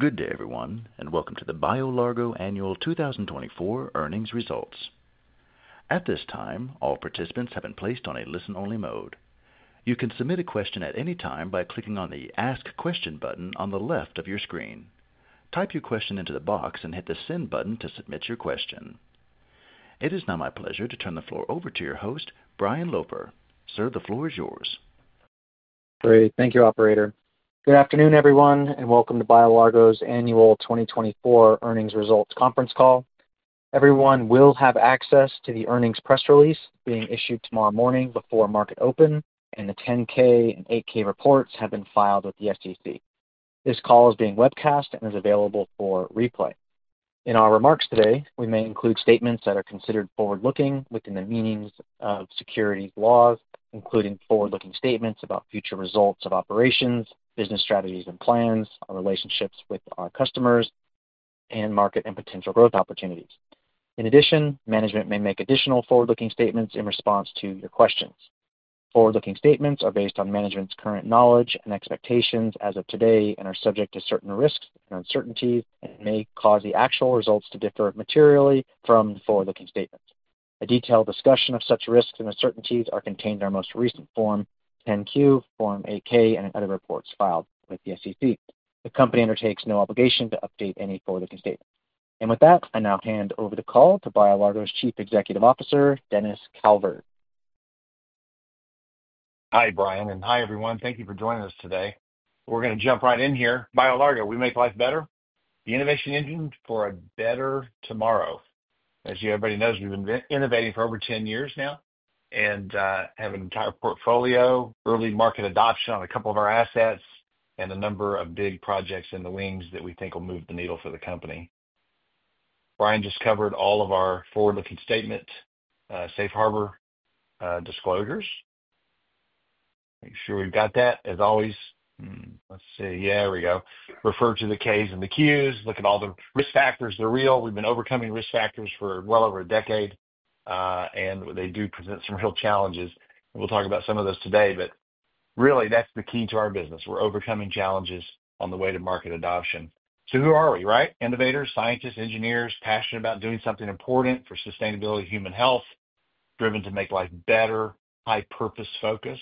Good day, everyone, and welcome to the BioLargo Annual 2024 Earnings Results. At this time, all participants have been placed on a listen-only mode. You can submit a question at any time by clicking on the Ask Question button on the left of your screen. Type your question into the box and hit the Send button to submit your question. It is now my pleasure to turn the floor over to your host, Brian Loper. Sir, the floor is yours. Great, thank you, Operator. Good afternoon, everyone, and welcome to BioLargo's Annual 2024 Earnings Results Conference Call. Everyone will have access to the earnings press release being issued tomorrow morning before market open, and the 10-K and 8-K reports have been filed with the SEC. This call is being webcast and is available for replay. In our remarks today, we may include statements that are considered forward-looking within the meanings of securities laws, including forward-looking statements about future results of operations, business strategies and plans, our relationships with our customers, and market and potential growth opportunities. In addition, management may make additional forward-looking statements in response to your questions. Forward-looking statements are based on management's current knowledge and expectations as of today and are subject to certain risks and uncertainties and may cause the actual results to differ materially from the forward-looking statements. A detailed discussion of such risks and uncertainties is contained in our most recent Form 10-Q, Form 8-K, and in other reports filed with the SEC. The company undertakes no obligation to update any forward-looking statements. I now hand over the call to BioLargo's Chief Executive Officer, Dennis Calvert. Hi, Brian, and hi, everyone. Thank you for joining us today. We're going to jump right in here. BioLargo, we make life better, the innovation engine for a better tomorrow. As you everybody knows, we've been innovating for over 10 years now and have an entire portfolio, early market adoption on a couple of our assets, and a number of big projects in the wings that we think will move the needle for the company. Brian just covered all of our forward-looking statement safe harbor disclosures. Make sure we've got that. As always, let's see. Yeah, there we go. Refer to the Ks and the Qs. Look at all the risk factors. They're real. We've been overcoming risk factors for well over a decade, and they do present some real challenges. We'll talk about some of those today, but really, that's the key to our business. We're overcoming challenges on the way to market adoption. Who are we, right? Innovators, scientists, engineers, passionate about doing something important for sustainability, human health, driven to make life better, high-purpose focus.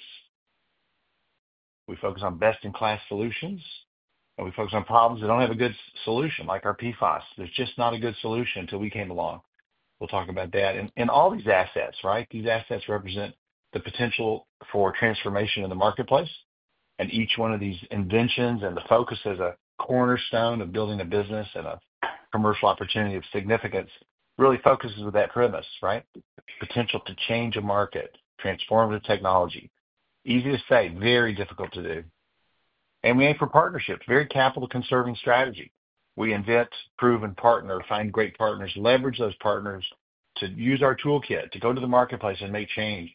We focus on best-in-class solutions, and we focus on problems that don't have a good solution, like our PFAS. There's just not a good solution until we came along. We'll talk about that. All these assets, right? These assets represent the potential for transformation in the marketplace, and each one of these inventions and the focus as a cornerstone of building a business and a commercial opportunity of significance really focuses with that premise, right? Potential to change a market, transformative technology. Easy to say, very difficult to do. We aim for partnerships, very capital-conserving strategy. We invent, prove, and partner, find great partners, leverage those partners to use our toolkit to go to the marketplace and make change.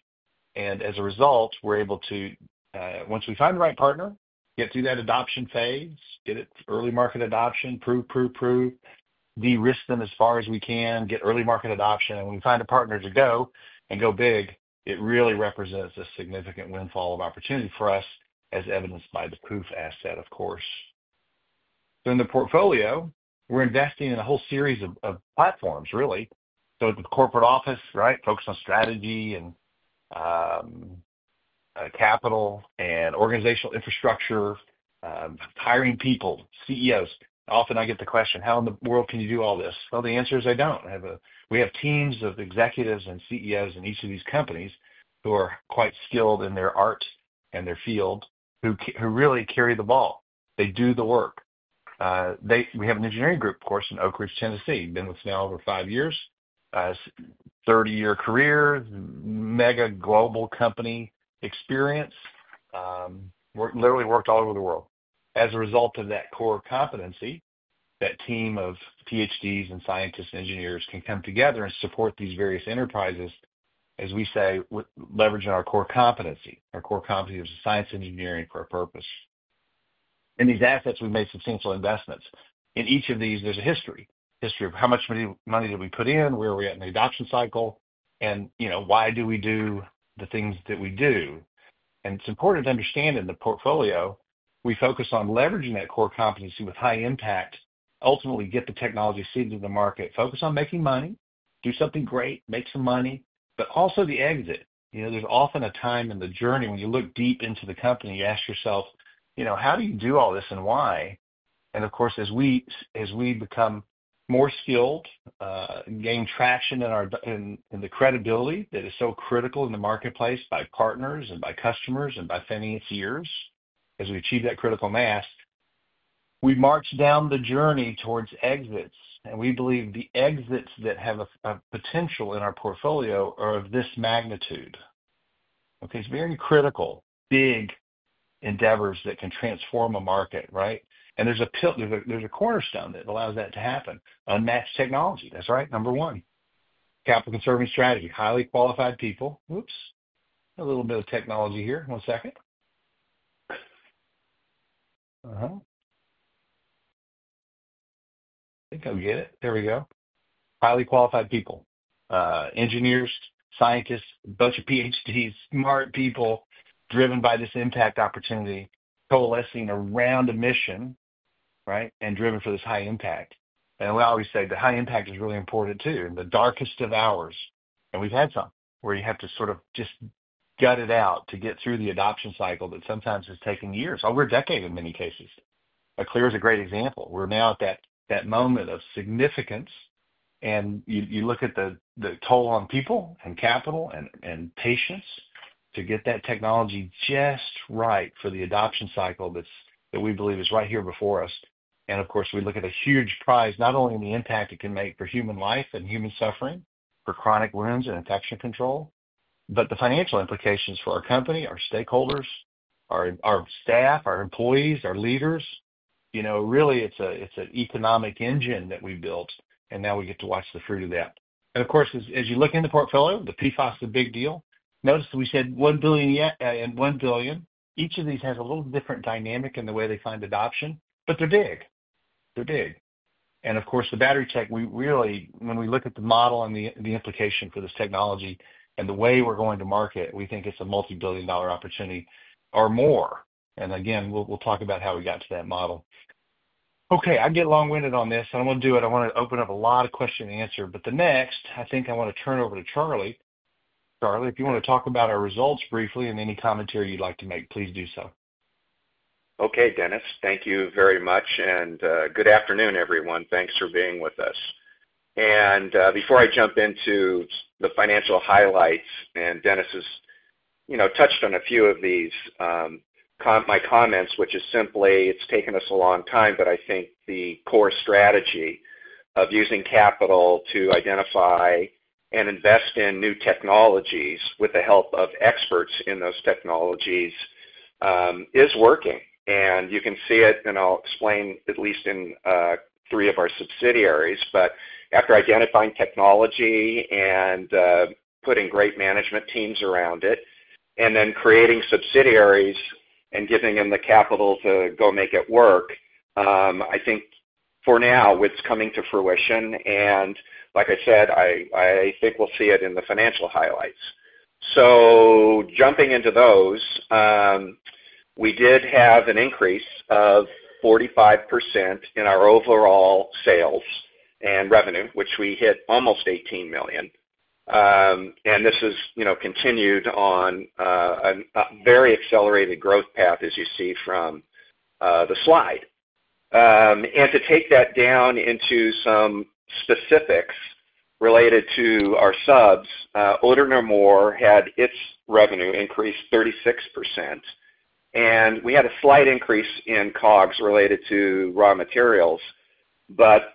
As a result, we're able to, once we find the right partner, get through that adoption phase, get it early market adoption, prove, prove, prove, de-risk them as far as we can, get early market adoption. When we find a partner to go and go big, it really represents a significant windfall of opportunity for us, as evidenced by the Pooph asset, of course. In the portfolio, we're investing in a whole series of platforms, really. The corporate office, right, focused on strategy and capital and organizational infrastructure, hiring people, CEOs. Often I get the question, "How in the world can you do all this?" The answer is I don't. We have teams of executives and CEOs in each of these companies who are quite skilled in their art and their field, who really carry the ball. They do the work. We have an engineering group, of course, in Oak Ridge, Tennessee. Been with us now over five years, 30-year career, mega global company experience. Literally worked all over the world. As a result of that core competency, that team of PhDs and scientists and engineers can come together and support these various enterprises, as we say, leveraging our core competency. Our core competency is science engineering for a purpose. In these assets, we've made substantial investments. In each of these, there's a history, history of how much money did we put in, where are we at in the adoption cycle, and why do we do the things that we do? It is important to understand in the portfolio, we focus on leveraging that core competency with high impact, ultimately get the technology seeded in the market, focus on making money, do something great, make some money, but also the exit. There is often a time in the journey when you look deep into the company, you ask yourself, "How do you do all this and why?" Of course, as we become more skilled, gain traction in the credibility that is so critical in the marketplace by partners and by customers and by financiers, as we achieve that critical mass, we march down the journey towards exits. We believe the exits that have a potential in our portfolio are of this magnitude. It is very critical. Big endeavors that can transform a market, right? There is a cornerstone that allows that to happen. Unmatched technology, that is right, number one. Capital-conserving strategy, highly qualified people. Oops, a little bit of technology here. One second. I think I'll get it. There we go. Highly qualified people, engineers, scientists, a bunch of PhDs, smart people driven by this impact opportunity, coalescing around a mission, right, and driven for this high impact. We always say the high impact is really important too, in the darkest of hours. We've had some where you have to sort of just gut it out to get through the adoption cycle that sometimes has taken years, over a decade in many cases. Clyra is a great example. We're now at that moment of significance, and you look at the toll on people and capital and patience to get that technology just right for the adoption cycle that we believe is right here before us. Of course, we look at a huge prize, not only in the impact it can make for human life and human suffering, for chronic wounds and infection control, but the financial implications for our company, our stakeholders, our staff, our employees, our leaders. Really, it's an economic engine that we've built, and now we get to watch the fruit of that. Of course, as you look in the portfolio, the PFAS is a big deal. Notice we said $1 billion yet and $1 billion. Each of these has a little different dynamic in the way they find adoption, but they're big. They're big. Of course, the battery tech, we really, when we look at the model and the implication for this technology and the way we're going to market, we think it's a multi-billion dollar opportunity or more. We'll talk about how we got to that model. Okay, I get long-winded on this, and I won't do it. I want to open up a lot of question and answer, but next, I think I want to turn over to Charlie. Charlie, if you want to talk about our results briefly and any commentary you'd like to make, please do so. Okay, Dennis, thank you very much, and good afternoon, everyone. Thanks for being with us. Before I jump into the financial highlights, Dennis has touched on a few of my comments, which is simply it's taken us a long time, but I think the core strategy of using capital to identify and invest in new technologies with the help of experts in those technologies is working. You can see it, and I'll explain at least in three of our subsidiaries, but after identifying technology and putting great management teams around it, and then creating subsidiaries and giving them the capital to go make it work, I think for now it's coming to fruition. Like I said, I think we'll see it in the financial highlights. Jumping into those, we did have an increase of 45% in our overall sales and revenue, which we hit almost $18 million. This has continued on a very accelerated growth path, as you see from the slide. To take that down into some specifics related to our subs, Odor-No-More had its revenue increase 36%, and we had a slight increase in COGS related to raw materials, but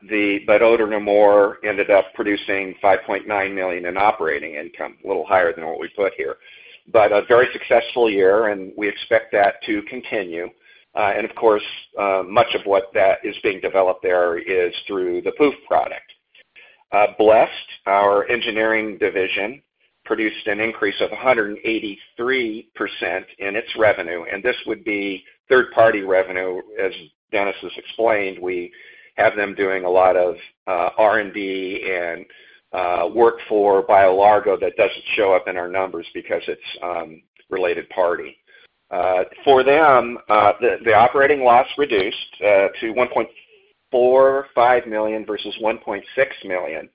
Odor-No-More ended up producing $5.9 million in operating income, a little higher than what we put here. A very successful year, and we expect that to continue. Of course, much of what that is being developed there is through the Pooph product. BLEST, our engineering division produced an increase of 183% in its revenue, and this would be third-party revenue. As Dennis has explained, we have them doing a lot of R&D and work for BioLargo that does not show up in our numbers because it is a related party. For them, the operating loss reduced to $1.45 million versus $1.6 million.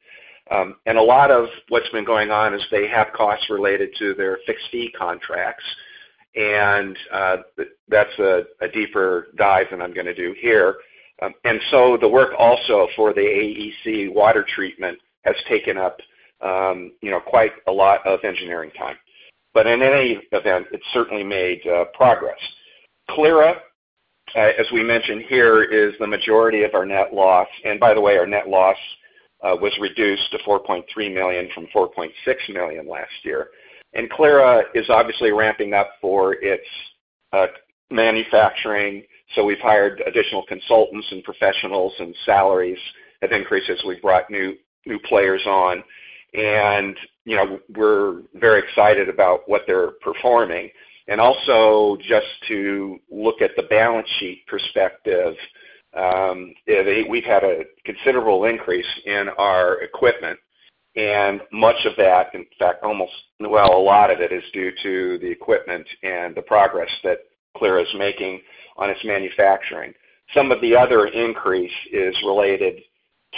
A lot of what has been going on is they have costs related to their fixed fee contracts, and that is a deeper dive than I am going to do here. The work also for the AEC water treatment has taken up quite a lot of engineering time. In any event, it has certainly made progress. Clyra, as we mentioned here, is the majority of our net loss. By the way, our net loss was reduced to $4.3 million from $4.6 million last year. Clyra is obviously ramping up for its manufacturing, so we've hired additional consultants and professionals, and salaries have increased as we've brought new players on. We're very excited about what they're performing. Also, just to look at the balance sheet perspective, we've had a considerable increase in our equipment, and much of that, in fact, almost, well, a lot of it is due to the equipment and the progress that Clyra is making on its manufacturing. Some of the other increase is related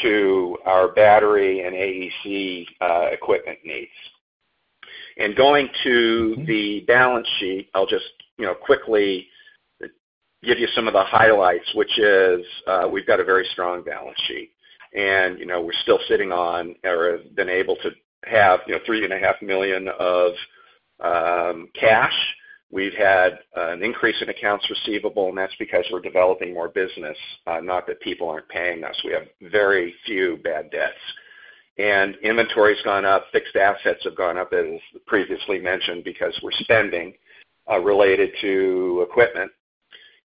to our battery and AEC equipment needs. Going to the balance sheet, I'll just quickly give you some of the highlights, which is we've got a very strong balance sheet, and we're still sitting on or have been able to have $3.5 million of cash. We've had an increase in accounts receivable, and that's because we're developing more business, not that people aren't paying us. We have very few bad debts. Inventory has gone up, fixed assets have gone up, as previously mentioned, because we're spending related to equipment.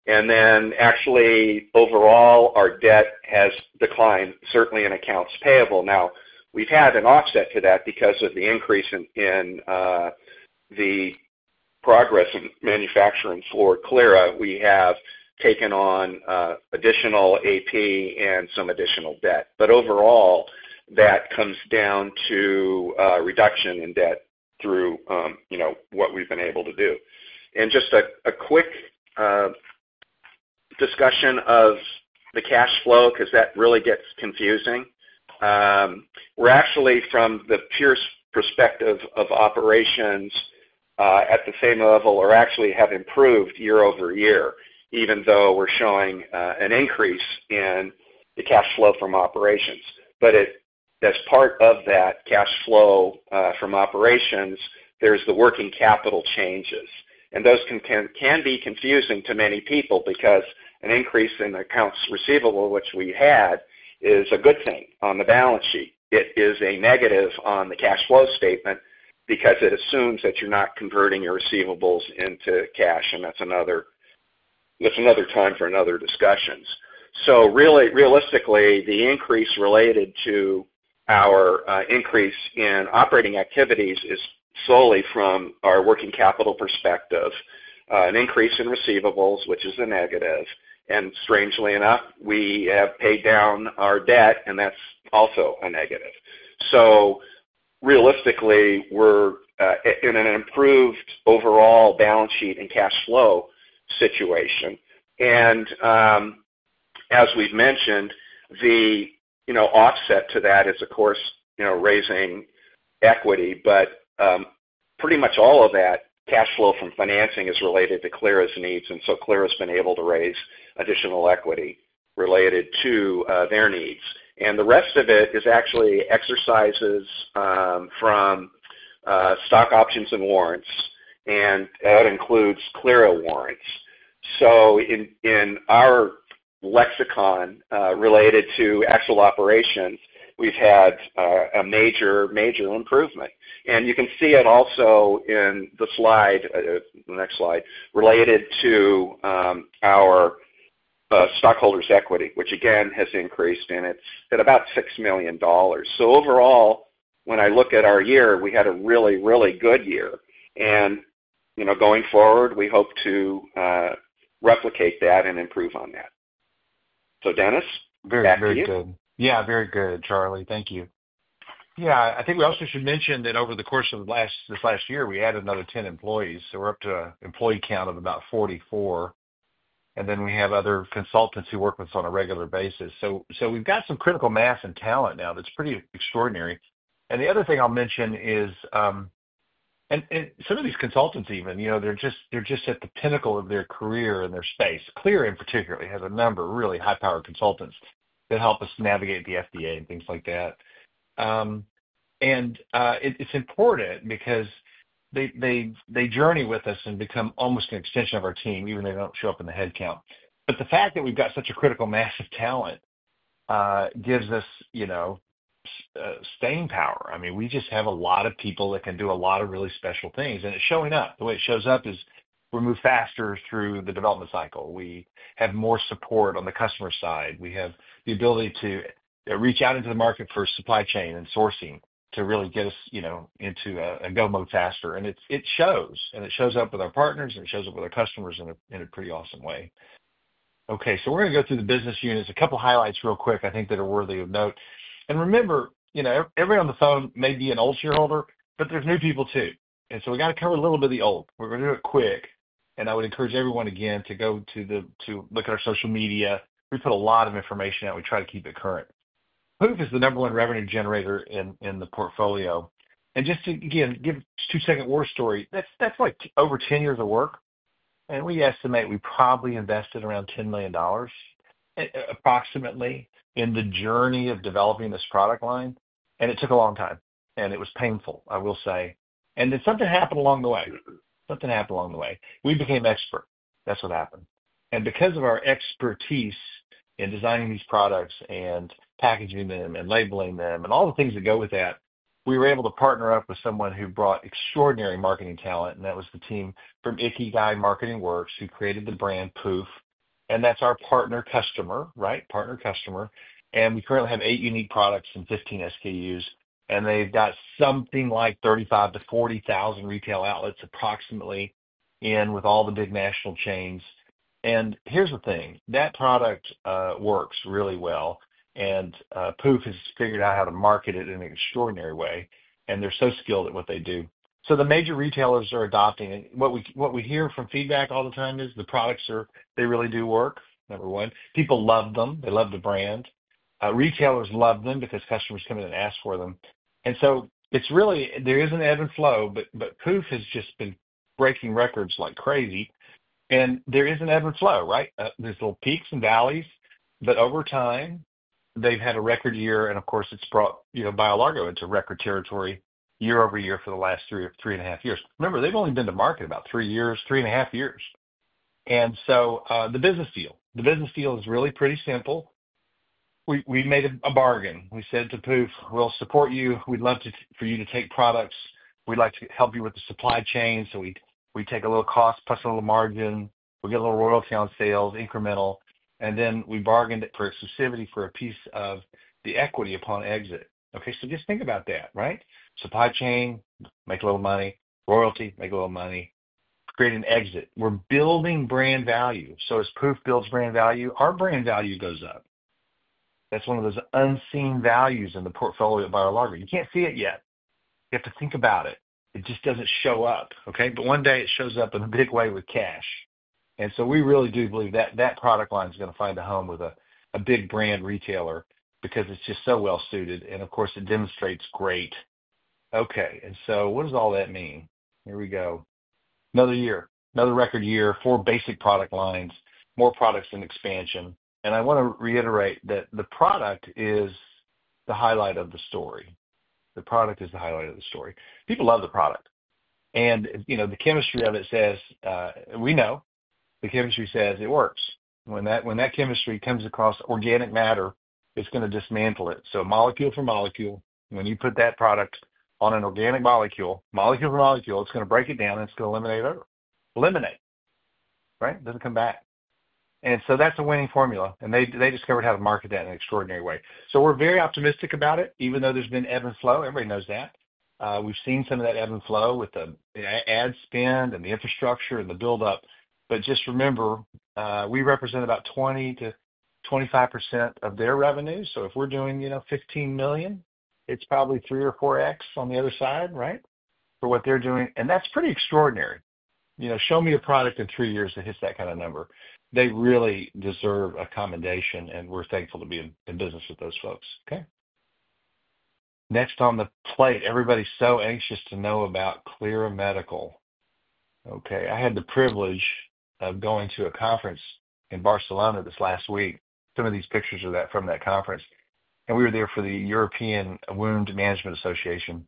Actually, overall, our debt has declined, certainly in accounts payable. We've had an offset to that because of the increase in the progress in manufacturing for Clyra. We have taken on additional AP and some additional debt. Overall, that comes down to a reduction in debt through what we've been able to do. Just a quick discussion of the cash flow, because that really gets confusing. We're actually, from the purest perspective of operations, at the same level or actually have improved year-over-year, even though we're showing an increase in the cash flow from operations. As part of that cash flow from operations, there's the working capital changes. Those can be confusing to many people because an increase in accounts receivable, which we had, is a good thing on the balance sheet. It is a negative on the cash flow statement because it assumes that you're not converting your receivables into cash, and that's another time for another discussion. Realistically, the increase related to our increase in operating activities is solely from our working capital perspective. An increase in receivables, which is a negative. Strangely enough, we have paid down our debt, and that's also a negative. Realistically, we're in an improved overall balance sheet and cash flow situation. As we've mentioned, the offset to that is, of course, raising equity, but pretty much all of that cash flow from financing is related to Clyra's needs, and Clyra has been able to raise additional equity related to their needs. The rest of it is actually exercises from stock options and warrants, and that includes Clyra warrants. In our lexicon related to actual operations, we've had a major improvement. You can see it also in the next slide related to our stockholders' equity, which again has increased and it's at about $6 million. Overall, when I look at our year, we had a really, really good year. Going forward, we hope to replicate that and improve on that. Dennis, back to you. Very good. Yeah, very good, Charlie. Thank you. Yeah, I think we also should mention that over the course of this last year, we added another 10 employees. So we're up to an employee count of about 44. We have other consultants who work with us on a regular basis. We've got some critical mass and talent now that's pretty extraordinary. The other thing I'll mention is some of these consultants even, they're just at the pinnacle of their career in their space. Clyra, in particular, has a number of really high-powered consultants that help us navigate the FDA and things like that. It's important because they journey with us and become almost an extension of our team, even though they don't show up in the headcount. The fact that we've got such a critical mass of talent gives us staying power. I mean, we just have a lot of people that can do a lot of really special things, and it's showing up. The way it shows up is we move faster through the development cycle. We have more support on the customer side. We have the ability to reach out into the market for supply chain and sourcing to really get us into a co-man faster. It shows, and it shows up with our partners, and it shows up with our customers in a pretty awesome way. Okay, we are going to go through the business units. A couple of highlights real quick I think that are worthy of note. Remember, everyone on the phone may be an old shareholder, but there are new people too. We got to cover a little bit of the old. We're going to do it quick, and I would encourage everyone again to go to look at our social media. We put a lot of information out. We try to keep it current. Pooph is the number one revenue generator in the portfolio. And just to, again, give a two-second war story, that's like over 10 years of work. We estimate we probably invested around $10 million approximately in the journey of developing this product line. It took a long time, and it was painful, I will say. Something happened along the way. Something happened along the way. We became expert. That's what happened. Because of our expertise in designing these products and packaging them and labeling them and all the things that go with that, we were able to partner up with someone who brought extraordinary marketing talent, and that was the team from Ikigai Marketing Works who created the brand Pooph. That is our partner customer, right? Partner customer. We currently have eight unique products and 15 SKUs, and they have something like 35,000-40,000 retail outlets approximately with all the big national chains. Here is the thing. That product works really well, and Pooph has figured out how to market it in an extraordinary way, and they are so skilled at what they do. The major retailers are adopting. What we hear from feedback all the time is the products, they really do work, number one. People love them. They love the brand. Retailers love them because customers come in and ask for them. There is an ebb and flow, but Pooph has just been breaking records like crazy. There is an ebb and flow, right? There are little peaks and valleys, but over time, they've had a record year, and of course, it's brought BioLargo into record territory year-over-year for the last three and a half years. Remember, they've only been to market about three years, three and a half years. The business deal is really pretty simple. We made a bargain. We said to Pooph, "We'll support you. We'd love for you to take products. We'd like to help you with the supply chain." We take a little cost, plus a little margin. We get a little royalty on sales, incremental. Then we bargained for exclusivity for a piece of the equity upon exit. Okay, so just think about that, right? Supply chain, make a little money. Royalty, make a little money. Create an exit. We're building brand value. As Pooph builds brand value, our brand value goes up. That's one of those unseen values in the portfolio of BioLargo. You can't see it yet. You have to think about it. It just doesn't show up, okay? One day it shows up in a big way with cash. We really do believe that that product line is going to find a home with a big brand retailer because it's just so well-suited. Of course, it demonstrates great. Okay, and so what does all that mean? Here we go. Another year. Another record year for basic product lines. More products and expansion. I want to reiterate that the product is the highlight of the story. The product is the highlight of the story. People love the product. The chemistry of it says, we know. The chemistry says it works. When that chemistry comes across organic matter, it's going to dismantle it. Molecule for molecule, when you put that product on an organic molecule, molecule for molecule, it's going to break it down, and it's going to eliminate it. Eliminate. Right? It doesn't come back. That is a winning formula. They discovered how to market that in an extraordinary way. We are very optimistic about it, even though there's been ebb and flow. Everybody knows that. We've seen some of that ebb and flow with the ad spend and the infrastructure and the build-up. Just remember, we represent about 20%-25% of their revenue. If we're doing $15 million, it's probably three or four X on the other side, right? For what they're doing. That's pretty extraordinary. Show me a product in three years that hits that kind of number. They really deserve a commendation, and we're thankful to be in business with those folks. Next on the plate. Everybody's so anxious to know about Clyra Medical. I had the privilege of going to a conference in Barcelona this last week. Some of these pictures are from that conference. We were there for the European Wound Management Association,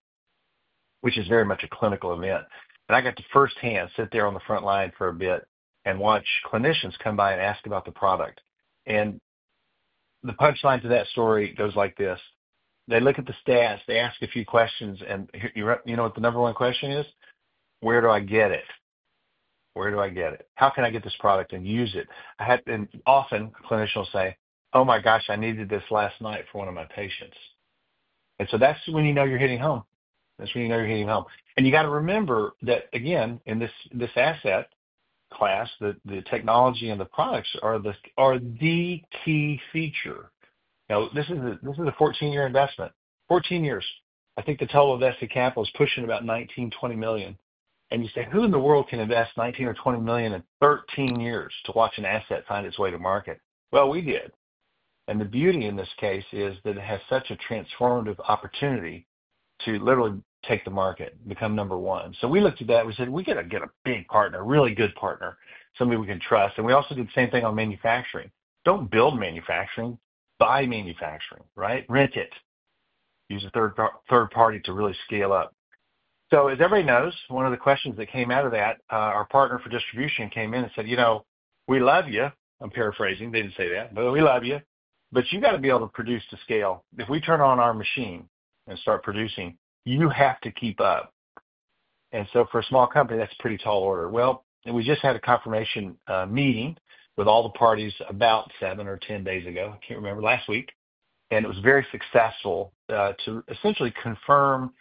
which is very much a clinical event. I got to firsthand sit there on the front line for a bit and watch clinicians come by and ask about the product. The punchline to that story goes like this. They look at the stats, they ask a few questions, and you know what the number one question is? Where do I get it? Where do I get it? How can I get this product and use it? Often, clinicians will say, "Oh my gosh, I needed this last night for one of my patients." That is when you know you're hitting home. That is when you know you're hitting home. You got to remember that, again, in this asset class, the technology and the products are the key feature. Now, this is a 14-year investment. Fourteen years. I think the total invested capital is pushing about $19 million-$20 million. You say, "Who in the world can invest $19 million or $20 million in 13 years to watch an asset find its way to market?" We did. The beauty in this case is that it has such a transformative opportunity to literally take the market, become number one. We looked at that. We said, "We got to get a big partner, a really good partner, somebody we can trust." We also did the same thing on manufacturing. Do not build manufacturing. Buy manufacturing, right? Rent it. Use a third party to really scale up. As everybody knows, one of the questions that came out of that, our partner for distribution came in and said, "We love you." I am paraphrasing. They did not say that. We love you. You have to be able to produce to scale. If we turn on our machine and start producing, you have to keep up. For a small company, that is a pretty tall order. We just had a confirmation meeting with all the parties about seven or ten days ago. I can't remember. Last week. It was very successful to essentially confirm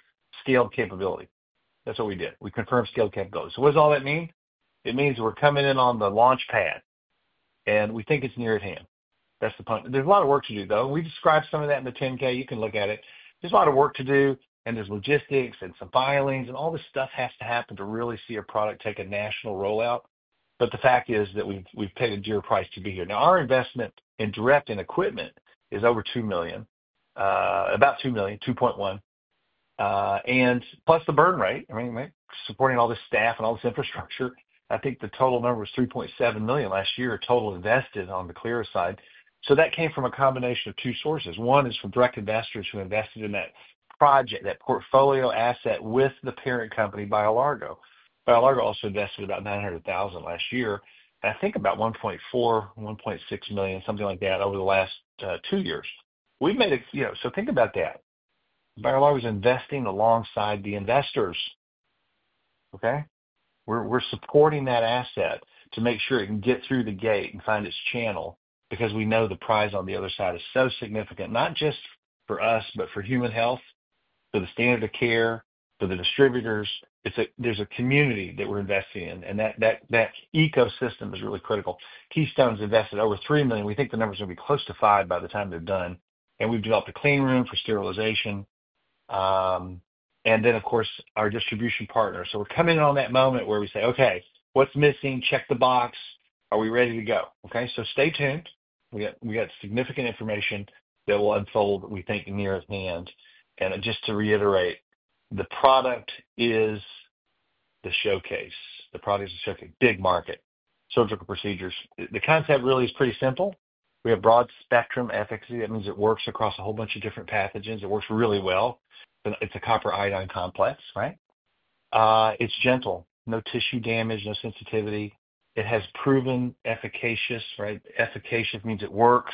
scaled capability. That's what we did. We confirmed scaled capability. What does all that mean? It means we're coming in on the launch pad, and we think it's near at hand. That's the point. There's a lot of work to do, though. We described some of that in the 10-K. You can look at it. There's a lot of work to do, and there's logistics and some filings, and all this stuff has to happen to really see a product take a national rollout. The fact is that we've paid a dear price to be here. Now, our investment in direct and equipment is over $2 million. About $2 million, $2.1 million. Plus the burn rate. I mean, supporting all this staff and all this infrastructure. I think the total number was $3.7 million last year total invested on the Clyra side. That came from a combination of two sources. One is from direct investors who invested in that project, that portfolio asset with the parent company, BioLargo. BioLargo also invested about $900,000 last year. I think about $1.4-$1.6 million, something like that over the last two years. We've made a—think about that. BioLargo is investing alongside the investors. Okay? We're supporting that asset to make sure it can get through the gate and find its channel because we know the prize on the other side is so significant. Not just for us, but for human health, for the standard of care, for the distributors. There's a community that we're investing in, and that ecosystem is really critical. Keystone's invested over $3 million. We think the number's going to be close to $5 million by the time they're done. We have developed a clean room for sterilization. Of course, our distribution partners are involved. We are coming in on that moment where we say, "Okay, what's missing? Check the box. Are we ready to go?" Stay tuned. We have significant information that will unfold that we think is near at hand. Just to reiterate, the product is the showcase. The product is the showcase. Big market. Surgical procedures. The concept really is pretty simple. We have broad spectrum efficacy. That means it works across a whole bunch of different pathogens. It works really well. It's a copper iodine complex, right? It's gentle. No tissue damage, no sensitivity. It has proven efficacious, right? Efficacious means it works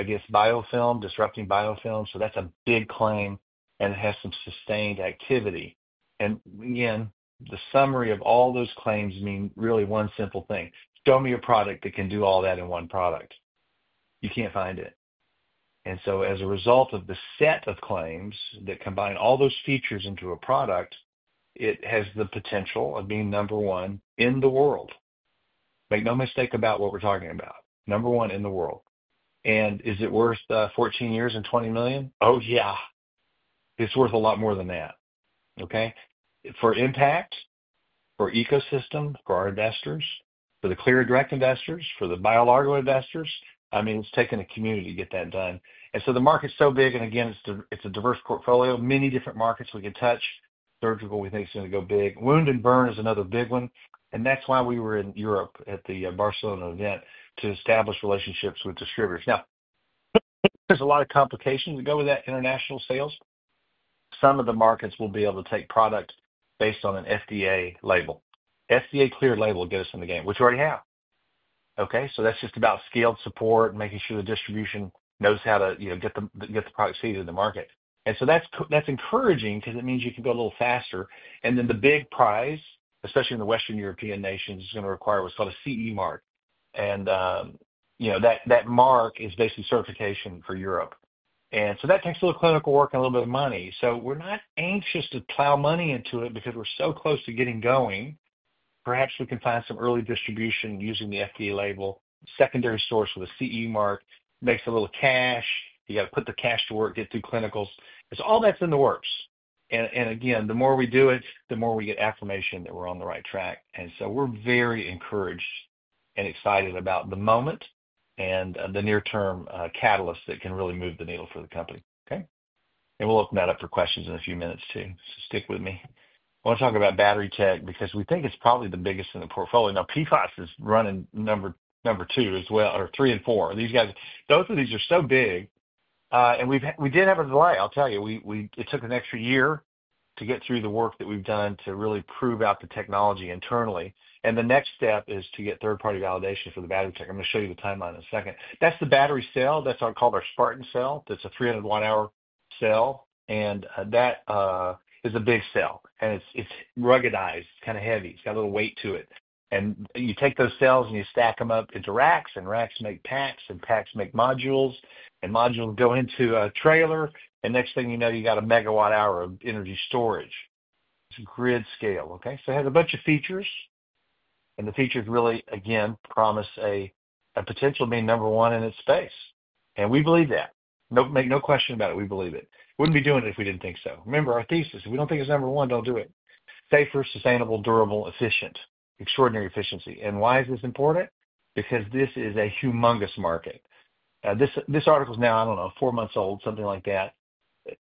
against biofilm, disrupting biofilm. That's a big claim, and it has some sustained activity. Again, the summary of all those claims means really one simple thing. Show me a product that can do all that in one product. You can't find it. As a result of the set of claims that combine all those features into a product, it has the potential of being number one in the world. Make no mistake about what we're talking about. Number one in the world. Is it worth 14 years and $20 million? Oh yeah. It's worth a lot more than that. For impact, for ecosystem, for our investors, for the Clyra direct investors, for the BioLargo investors, I mean, it's taken a community to get that done. The market's so big, and again, it's a diverse portfolio. Many different markets we can touch. Surgical, we think it's going to go big. Wound and burn is another big one. That is why we were in Europe at the Barcelona event to establish relationships with distributors. Now, there's a lot of complications that go with that international sales. Some of the markets will be able to take product based on an FDA label. FDA clear label will get us in the game, which we already have. Okay? That is just about scaled support, making sure the distribution knows how to get the product seeded in the market. That is encouraging because it means you can go a little faster. The big prize, especially in the Western European nations, is going to require what's called a CE mark. That mark is basically certification for Europe. That takes a little clinical work and a little bit of money. We're not anxious to plow money into it because we're so close to getting going. Perhaps we can find some early distribution using the FDA label. Secondary source with a CE mark. Makes a little cash. You got to put the cash to work, get through clinicals. It's all that's in the works. Again, the more we do it, the more we get affirmation that we're on the right track. We are very encouraged and excited about the moment and the near-term catalysts that can really move the needle for the company. Okay? We'll open that up for questions in a few minutes too. Stick with me. I want to talk about battery tech because we think it's probably the biggest in the portfolio. Now, PFAS is running number two as well, or three and four. These guys, both of these are so big. We did have a delay. I'll tell you. It took an extra year to get through the work that we've done to really prove out the technology internally. The next step is to get third-party validation for the battery tech. I'm going to show you the timeline in a second. That's the battery cell. That's called our Spartan Cell. That's a 300-watt-hour cell. That is a big cell. It's ruggedized. It's kind of heavy. It's got a little weight to it. You take those cells and you stack them up into racks, and racks make packs, and packs make modules, and modules go into a trailer. Next thing you know, you got a megawatt-hour of energy storage. It's grid scale. It has a bunch of features. The features really, again, promise a potential to be number one in its space. We believe that. Make no question about it. We believe it. Wouldn't be doing it if we didn't think so. Remember our thesis. If we don't think it's number one, don't do it. Safer, sustainable, durable, efficient. Extraordinary efficiency. Why is this important? Because this is a humongous market. This article is now, I don't know, four months old, something like that.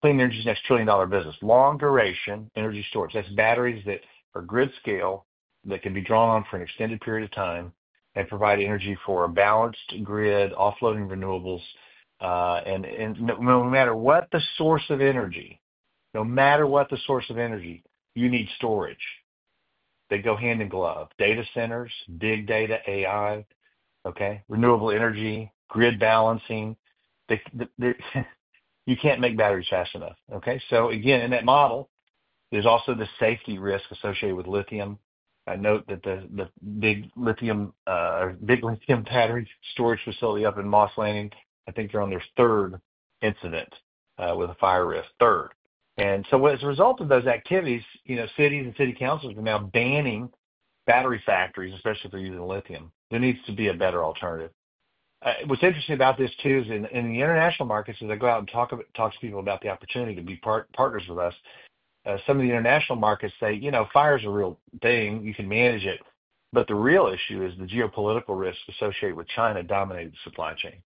Clean energy is next trillion-dollar business. Long duration energy storage. That's batteries that are grid scale that can be drawn on for an extended period of time and provide energy for a balanced grid, offloading renewables. No matter what the source of energy, no matter what the source of energy, you need storage. They go hand in glove. Data centers, big data, AI. Okay? Renewable energy, grid balancing. You can't make batteries fast enough. Okay? Again, in that model, there's also the safety risk associated with lithium. I note that the big lithium battery storage facility up in Moss Landing, I think they're on their third incident with a fire risk. Third. As a result of those activities, cities and city councils are now banning battery factories, especially if they're using lithium. There needs to be a better alternative. What's interesting about this too is in the international markets, as I go out and talk to people about the opportunity to be partners with us, some of the international markets say, "Fires are a real thing. You can manage it." The real issue is the geopolitical risk associated with China dominating the supply chain.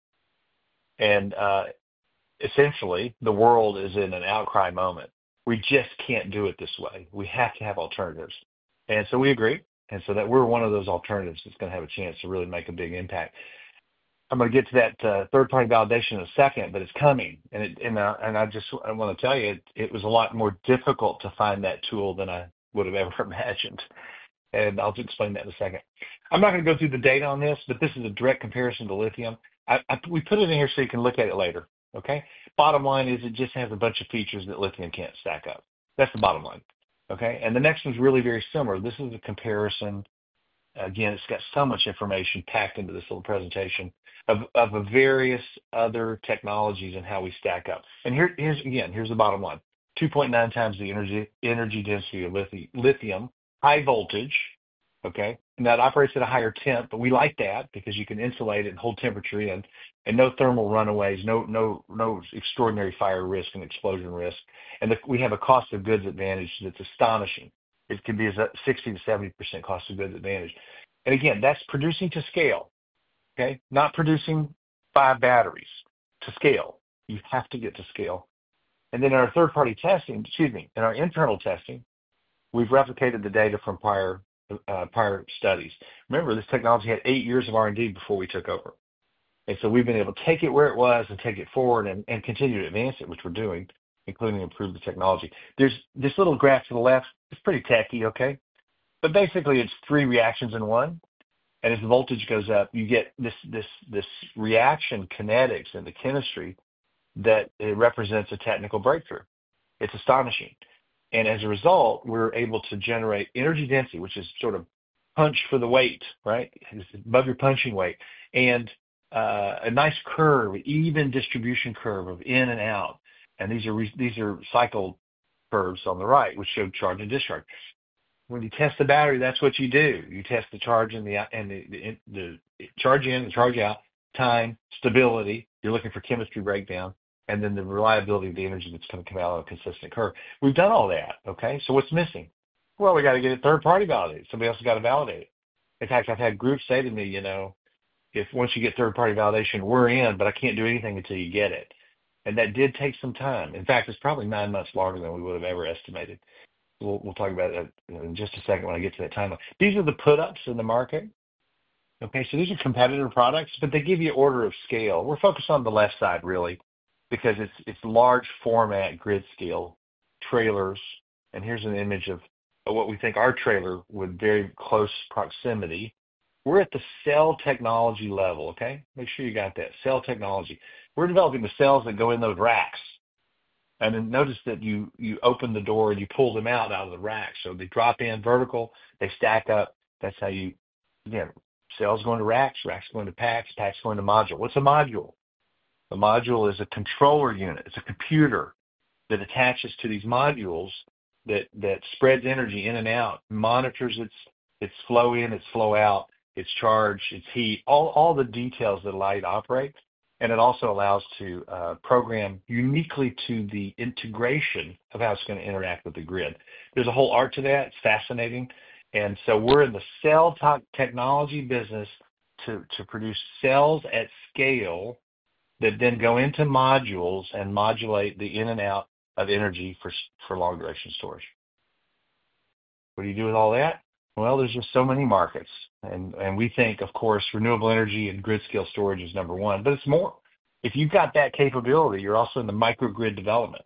Essentially, the world is in an outcry moment. We just can't do it this way. We have to have alternatives. We agree. We are one of those alternatives that's going to have a chance to really make a big impact. I'm going to get to that third-party validation in a second, but it's coming. I just want to tell you, it was a lot more difficult to find that tool than I would have ever imagined. I'll explain that in a second. I'm not going to go through the data on this, but this is a direct comparison to lithium. We put it in here so you can look at it later. Bottom line is it just has a bunch of features that lithium can't stack up. That's the bottom line. The next one's really very similar. This is a comparison. Again, it's got so much information packed into this little presentation of various other technologies and how we stack up. Here's the bottom line. 2.9 times the energy density of lithium. High voltage. Okay? It operates at a higher temp, but we like that because you can insulate it and hold temperature in. No thermal runaways, no extraordinary fire risk and explosion risk. We have a cost of goods advantage that's astonishing. It can be a 60-70% cost of goods advantage. That's producing to scale. Okay? Not producing five batteries to scale. You have to get to scale. In our third-party testing—excuse me—in our internal testing, we've replicated the data from prior studies. Remember, this technology had eight years of R&D before we took over. We've been able to take it where it was and take it forward and continue to advance it, which we're doing, including improving the technology. This little graph to the left, it's pretty tacky, okay? Basically, it's three reactions in one. As the voltage goes up, you get this reaction kinetics and the chemistry that represents a technical breakthrough. It's astonishing. As a result, we're able to generate energy density, which is sort of punch for the weight, right? Above your punching weight. A nice curve, even distribution curve of in and out. These are cycled curves on the right, which show charge and discharge. When you test the battery, that's what you do. You test the charge and the charge in, the charge out, time, stability. You're looking for chemistry breakdown. Then the reliability of the energy that's going to come out on a consistent curve. We've done all that, okay? What's missing? We got to get a third-party validation. Somebody else has got to validate it. In fact, I've had groups say to me, "If once you get third-party validation, we're in, but I can't do anything until you get it." That did take some time. In fact, it's probably nine months longer than we would have ever estimated. We'll talk about that in just a second when I get to that timeline. These are the put-ups in the market. Okay? These are competitor products, but they give you order of scale. We're focused on the left side, really, because it's large format grid scale trailers. Here's an image of what we think our trailer would be very close proximity. We're at the cell technology level. Okay? Make sure you got that. Cell technology. We're developing the cells that go in those racks. Notice that you open the door and you pull them out of the racks. They drop in vertical, they stack up. That's how you—again, cells go into racks, racks go into packs, packs go into module. What's a module? A module is a controller unit. It's a computer that attaches to these modules that spreads energy in and out, monitors its flow in, its flow out, its charge, its heat, all the details that light operates. It also allows to program uniquely to the integration of how it's going to interact with the grid. There's a whole art to that. It's fascinating. We are in the cell-type technology business to produce cells at scale that then go into modules and modulate the in and out of energy for long-duration storage. What do you do with all that? There are just so many markets. We think, of course, renewable energy and grid-scale storage is number one, but it's more. If you've got that capability, you're also in the microgrid development.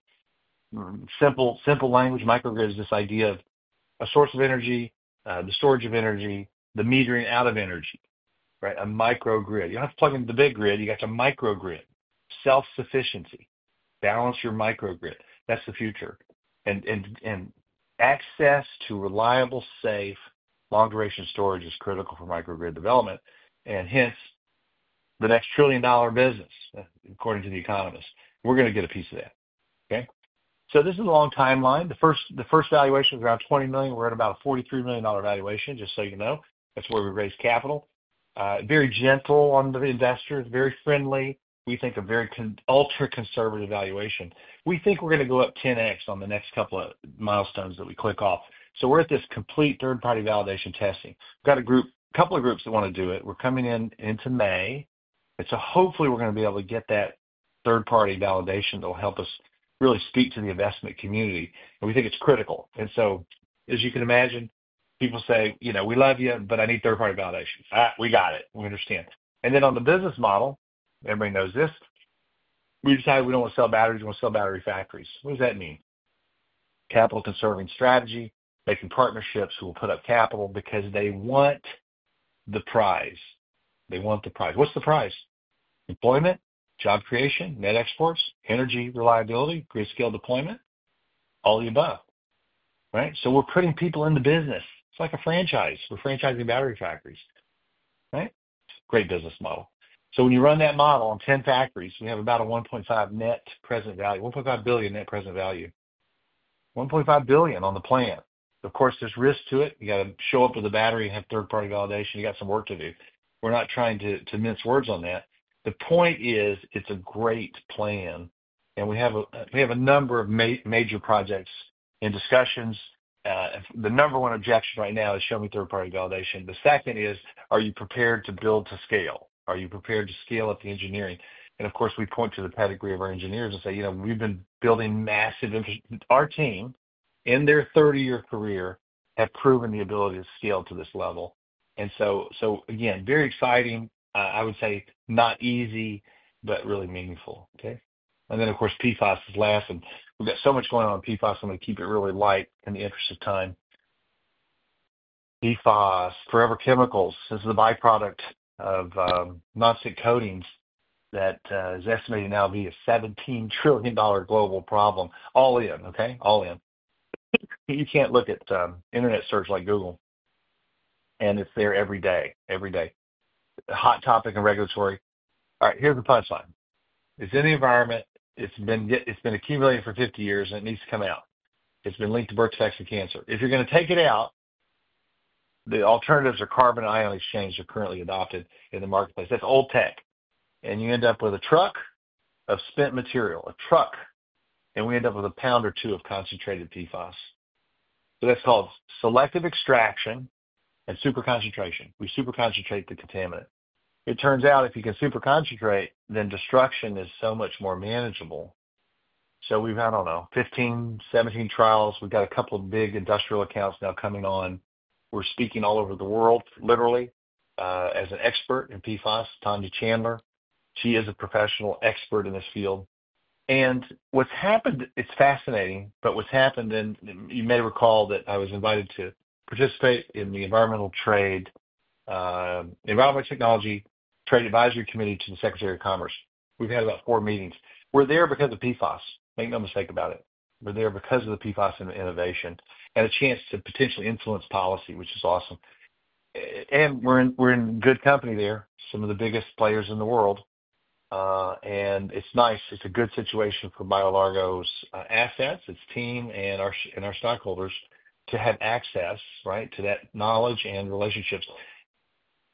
Simple language, microgrid is this idea of a source of energy, the storage of energy, the metering out of energy. Right? A microgrid. You don't have to plug into the big grid. You got your microgrid. Self-sufficiency. Balance your microgrid. That's the future. Access to reliable, safe, long-duration storage is critical for microgrid development. Hence, the next trillion-dollar business, according to The Economist. We're going to get a piece of that. Okay? This is a long timeline. The first valuation was around $20 million. We're at about a $43 million valuation, just so you know. That's where we raised capital. Very gentle on the investors. Very friendly. We think a very ultra-conservative valuation. We think we're going to go up 10x on the next couple of milestones that we click off. We're at this complete third-party validation testing. We've got a couple of groups that want to do it. We're coming in into May. Hopefully, we're going to be able to get that third-party validation that will help us really speak to the investment community. We think it's critical. As you can imagine, people say, "We love you, but I need third-party validation." We got it. We understand. On the business model, everybody knows this. We decided we don't want to sell batteries. We want to sell battery factories. What does that mean? Capital-conserving strategy, making partnerships who will put up capital because they want the prize. They want the prize. What's the prize? Employment, job creation, net exports, energy, reliability, grid-scale deployment, all the above. Right? We're putting people in the business. It's like a franchise. We're franchising battery factories. Right? Great business model. When you run that model on 10 factories, we have about a $1.5 billion net present value. $1.5 billion net present value. $1.5 billion on the plan. Of course, there's risk to it. You got to show up with a battery and have third-party validation. You got some work to do. We're not trying to mince words on that. The point is it's a great plan. We have a number of major projects in discussions. The number one objection right now is, "Show me third-party validation." The second is, "Are you prepared to build to scale? Are you prepared to scale up the engineering?" Of course, we point to the pedigree of our engineers and say, "We've been building massive infrastructure." Our team, in their 30-year career, have proven the ability to scale to this level. Very exciting. I would say not easy, but really meaningful. Okay? PFAS is last. We've got so much going on in PFAS. I'm going to keep it really light in the interest of time. PFAS, Forever Chemicals. This is a byproduct of nonstick coatings that is estimated now to be a $17 trillion global problem. All in. Okay? All in. You can't look at internet search like Google. It's there every day. Every day. Hot topic in regulatory. All right. Here's the punchline. It's in the environment. It's been accumulated for 50 years, and it needs to come out. It's been linked to birth defects and cancer. If you're going to take it out, the alternatives are carbon and ion exchange are currently adopted in the marketplace. That's old tech. You end up with a truck of spent material. A truck. We end up with a pound or two of concentrated PFAS. That's called selective extraction and super concentration. We super concentrate the contaminant. It turns out if you can super concentrate, then destruction is so much more manageable. We've, I don't know, 15, 17 trials. We've got a couple of big industrial accounts now coming on. We're speaking all over the world, literally, as an expert in PFAS. Tonya Chandler. She is a professional expert in this field. What's happened—it's fascinating—what's happened—you may recall that I was invited to participate in the Environmental Technologies Trade Advisory Committee to the Secretary of Commerce. We've had about four meetings. We're there because of PFAS. Make no mistake about it. We're there because of the PFAS and the innovation and a chance to potentially influence policy, which is awesome. We're in good company there. Some of the biggest players in the world. It's nice. It's a good situation for BioLargo's assets, its team, and our stockholders to have access, right, to that knowledge and relationships.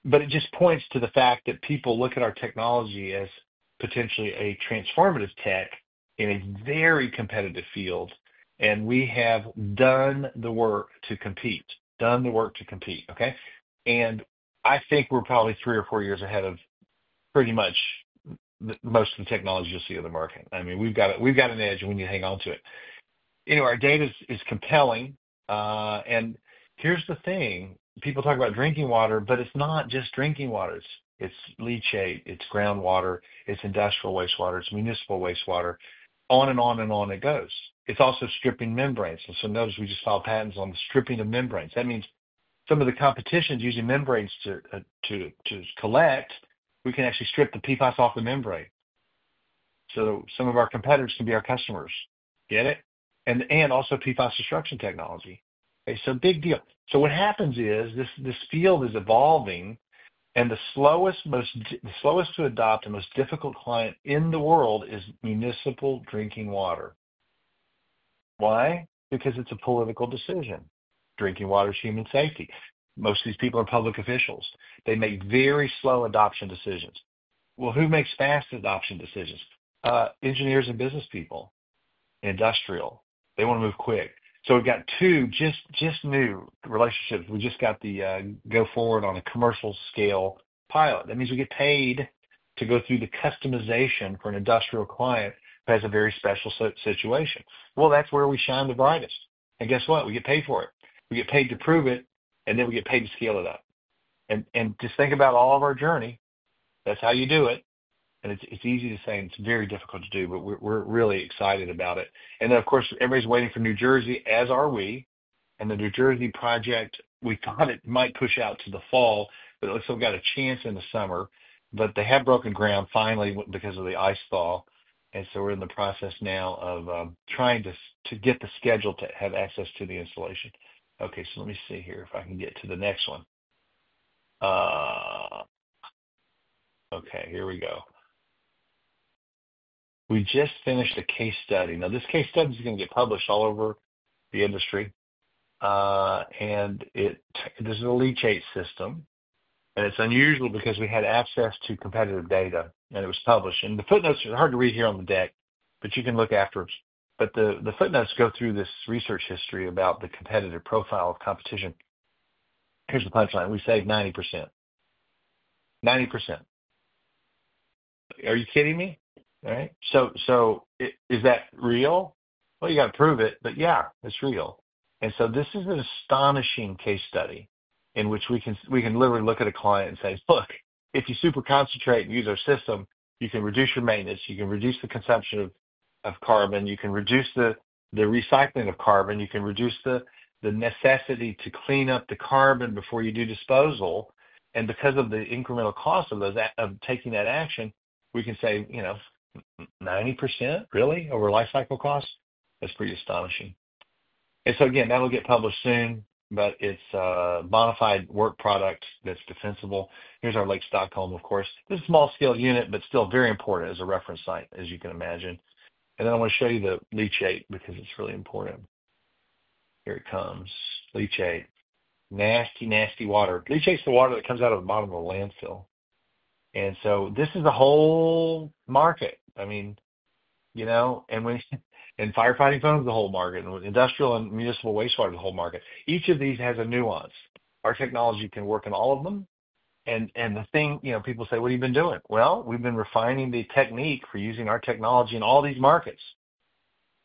It just points to the fact that people look at our technology as potentially a transformative tech in a very competitive field. We have done the work to compete. Done the work to compete. Okay? I think we're probably three or four years ahead of pretty much most of the technology you'll see in the market. I mean, we've got an edge, and we need to hang on to it. Anyway, our data is compelling. Here's the thing. People talk about drinking water, but it's not just drinking water. It's leachate. It's groundwater. It's industrial wastewater. It's municipal wastewater. On and on and on it goes. It's also stripping membranes. Notice we just saw patents on the stripping of membranes. That means some of the competition is using membranes to collect. We can actually strip the PFAS off the membrane. Some of our competitors can be our customers. Get it? Also PFAS destruction technology. Okay? Big deal. What happens is this field is evolving, and the slowest to adopt and most difficult client in the world is municipal drinking water. Why? Because it's a political decision. Drinking water is human safety. Most of these people are public officials. They make very slow adoption decisions. Who makes fast adoption decisions? Engineers and business people. Industrial. They want to move quick. We have got two just new relationships. We just got the go forward on a commercial scale pilot. That means we get paid to go through the customization for an industrial client who has a very special situation. That is where we shine the brightest. And guess what? We get paid for it. We get paid to prove it, and then we get paid to scale it up. Just think about all of our journey. That is how you do it. It is easy to say, and it is very difficult to do, but we are really excited about it. Of course, everybody is waiting for New Jersey, as are we. The New Jersey project, we thought it might push out to the fall, but it looks like we have got a chance in the summer. They have broken ground finally because of the ice thaw. We are in the process now of trying to get the schedule to have access to the installation. Let me see here if I can get to the next one. Here we go. We just finished a case study. Now, this case study is going to get published all over the industry. This is a leachate system. It is unusual because we had access to competitive data, and it was published. The footnotes are hard to read here on the deck, but you can look afterwards. The footnotes go through this research history about the Competitive Profile of Competitors. Here is the punchline. We saved 90%. 90%. Are you kidding me? All right? Is that real? You have to prove it, but yeah, it is real. This is an astonishing case study in which we can literally look at a client and say, "Look, if you super concentrate and use our system, you can reduce your maintenance. You can reduce the consumption of carbon. You can reduce the recycling of carbon. You can reduce the necessity to clean up the carbon before you do disposal." Because of the incremental cost of taking that action, we can say, "90%? Really? Over lifecycle cost?" That's pretty astonishing. That will get published soon, but it's a modified work product that's defensible. Here's our Lake Stockholm, of course. This is a small-scale unit, but still very important as a reference site, as you can imagine. I want to show you the leachate because it's really important. Here it comes. Leachate. Nasty, nasty water. Leachate's the water that comes out of the bottom of a landfill. This is the whole market. I mean, and firefighting foam is the whole market. Industrial and municipal wastewater is the whole market. Each of these has a nuance. Our technology can work in all of them. The thing people say, "What have you been doing?" We've been refining the technique for using our technology in all these markets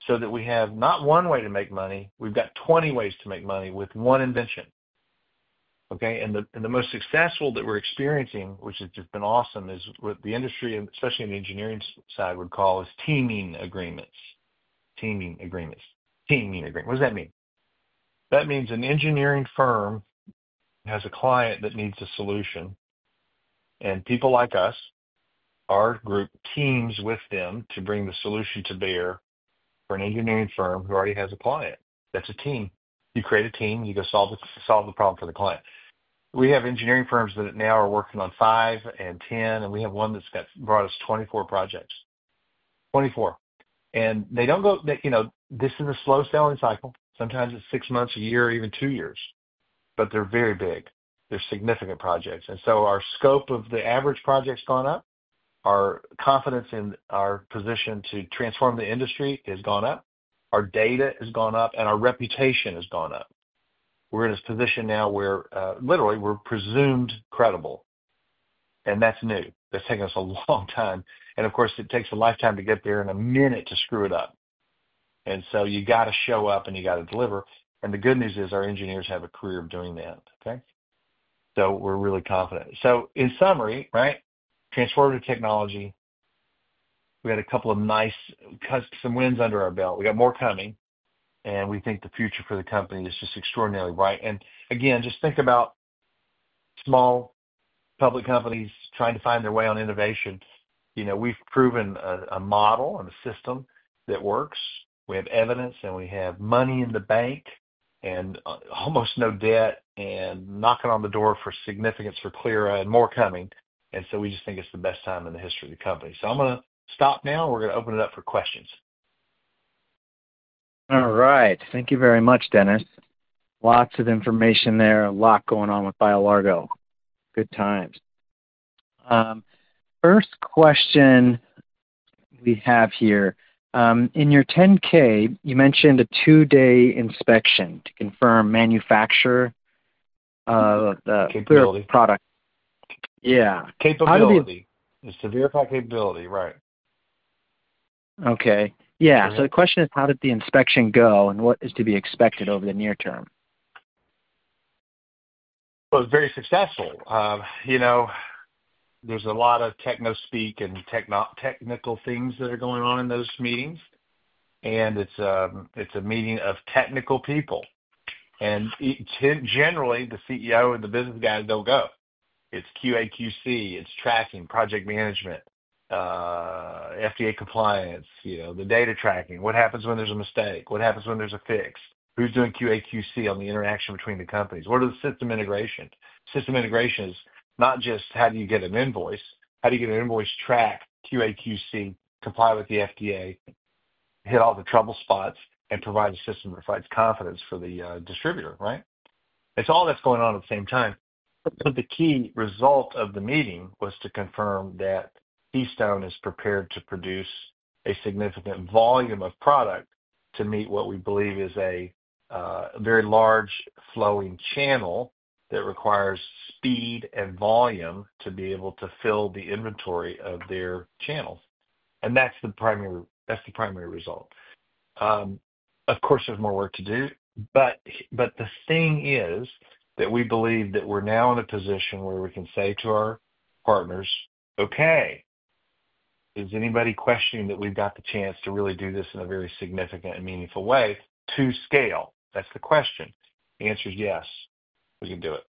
so that we have not one way to make money. We've got 20 ways to make money with one invention. Okay? The most successful that we're experiencing, which has just been awesome, is what the industry, especially in the engineering side, would call is teaming agreements, teaming agreements, teaming agreements. What does that mean? That means an engineering firm has a client that needs a solution. People like us, our group, teams with them to bring the solution to bear for an engineering firm who already has a client. That's a team. You create a team. You go solve the problem for the client. We have engineering firms that now are working on five and ten, and we have one that's brought us 24 projects. Twenty-four. They don't go. This is a slow selling cycle. Sometimes it's six months, a year, even two years. They are very big. They are significant projects. Our scope of the average project has gone up. Our confidence in our position to transform the industry has gone up. Our data has gone up, and our reputation has gone up. We are in a position now where, literally, we are presumed credible. That is new. That has taken us a long time. Of course, it tak+es a lifetime to get there and a minute to screw it up. You got to show up, and you got to deliver. The good news is our engineers have a career of doing that. We are really confident. In summary, transformative technology. We had a couple of nice custom wins under our belt. We got more coming. We think the future for the company is just extraordinarily bright. Again, just think about small public companies trying to find their way on innovation. We have proven a model and a system that works. We have evidence, and we have money in the bank and almost no debt and knocking on the door for significance for Clyra and more coming. We just think it is the best time in the history of the company. I'm going to stop now. We're going to open it up for questions. All right. Thank you very much, Dennis. Lots of information there. A lot going on with BioLargo. Good times. First question we have here. In your 10-K, you mentioned a two-day inspection to confirm manufacture of the product. Capability. Yeah. Capability. Capability. It's the verified capability. Right. Okay. Yeah. The question is, how did the inspection go and what is to be expected over the near term? It was very successful. There's a lot of techno speak and technical things that are going on in those meetings. It's a meeting of technical people. Generally, the CEO and the business guys, they'll go. It's QA/QC. It's tracking, project management, FDA compliance, the data tracking. What happens when there's a mistake? What happens when there's a fix? Who's doing QA/QC on the interaction between the companies? What are the system integrations? System integration is not just how do you get an invoice. How do you get an invoice track, QA/QC, comply with the FDA, hit all the trouble spots, and provide a system that provides confidence for the distributor? Right? It's all that's going on at the same time. The key result of the meeting was to confirm that Keystone is prepared to produce a significant volume of product to meet what we believe is a very large flowing channel that requires speed and volume to be able to fill the inventory of their channels. That's the primary result. Of course, there's more work to do. The thing is that we believe that we're now in a position where we can say to our partners, "Okay. Is anybody questioning that we've got the chance to really do this in a very significant and meaningful way to scale?" That's the question. The answer is yes. We can do it.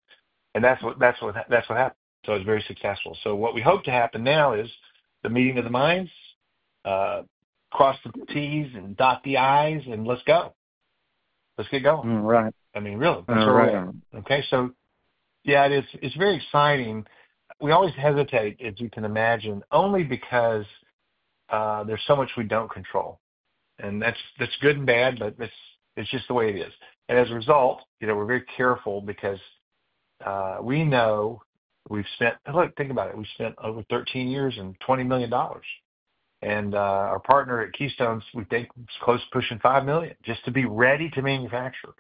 That's what happened. It was very successful. What we hope to happen now is the meeting of the minds, cross the T's and dot the I's, and let's go. Let's get going. I mean, really. Okay? Yeah, it's very exciting. We always hesitate, as you can imagine, only because there's so much we don't control. That's good and bad, but it's just the way it is. As a result, we're very careful because we know we've spent—look, think about it. We've spent over 13 years and $20 million. Our partner at Keystone, we think, is close to pushing $5 million just to be ready to manufacture.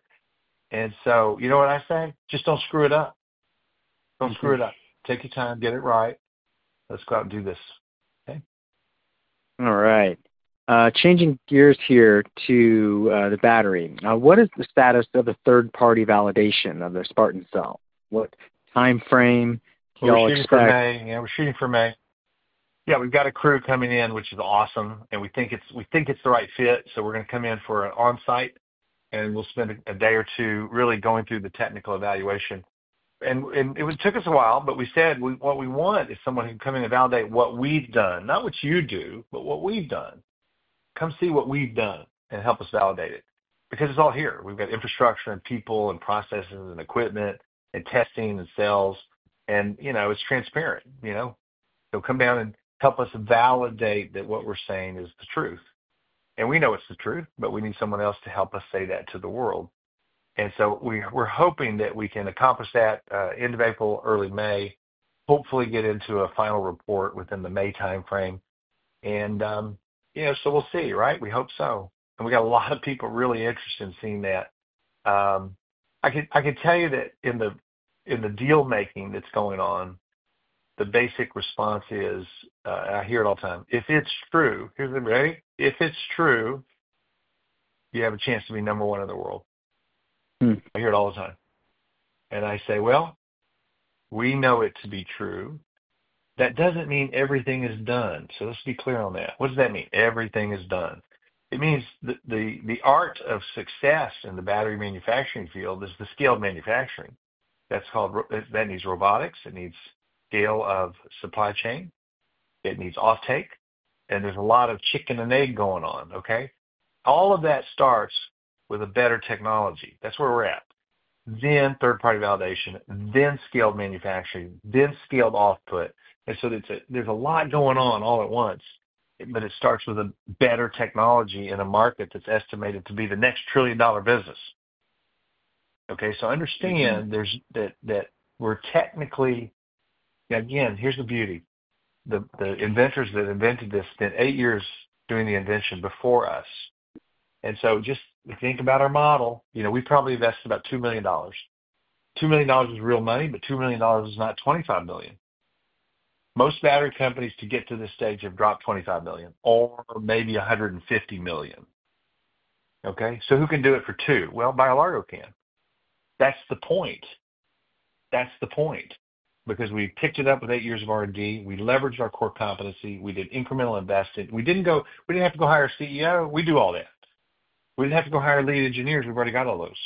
You know what I say? Just don't screw it up. Don't screw it up. Take your time. Get it right. Let's go out and do this. Okay? All right. Changing gears here to the battery. What is the status of the third-party validation of the Spartan Cell? What timeframe? We're shooting for May. Yeah. We're shooting for May. Yeah. We've got a crew coming in, which is awesome. We think it's the right fit. We're going to come in for an onsite, and we'll spend a day or two really going through the technical evaluation. It took us a while, but we said what we want is someone who can come in and validate what we've done. Not what you do, but what we've done. Come see what we've done and help us validate it. Because it's all here. We've got infrastructure and people and processes and equipment and testing and sales. It's transparent. They'll come down and help us validate that what we're saying is the truth. We know it's the truth, but we need someone else to help us say that to the world. We are hoping that we can accomplish that end of April, early May, hopefully get into a final report within the May timeframe. We will see. Right? We hope so. We have a lot of people really interested in seeing that. I can tell you that in the deal-making that is going on, the basic response is—and I hear it all the time—"If it is true"—here is the—ready?—"If it is true, you have a chance to be number one in the world." I hear it all the time. I say, "We know it to be true. That does not mean everything is done." Let us be clear on that. What does that mean? Everything is done. It means the art of success in the battery manufacturing field is the scale of manufacturing. That needs robotics. It needs scale of supply chain. It needs offtake. There is a lot of chicken and egg going on. All of that starts with a better technology. That is where we are at. Third-party validation, scaled manufacturing, then scaled offtake. There is a lot going on all at once, but it starts with a better technology in a market that is estimated to be the next trillion-dollar business. Understand that we are technically—again, here is the beauty. The inventors that invented this spent eight years doing the invention before us. Just think about our model. We probably invested about $2 million. $2 million is real money, but $2 million is not $25 million. Most battery companies to get to this stage have dropped $25 million or maybe $150 million. Who can do it for two? BioLargo can. That is the point. That is the point. Because we picked it up with eight years of R&D. We leveraged our core competency. We did incremental investing. We didn't have to go hire a CEO. We do all that. We didn't have to go hire lead engineers. We've already got all those.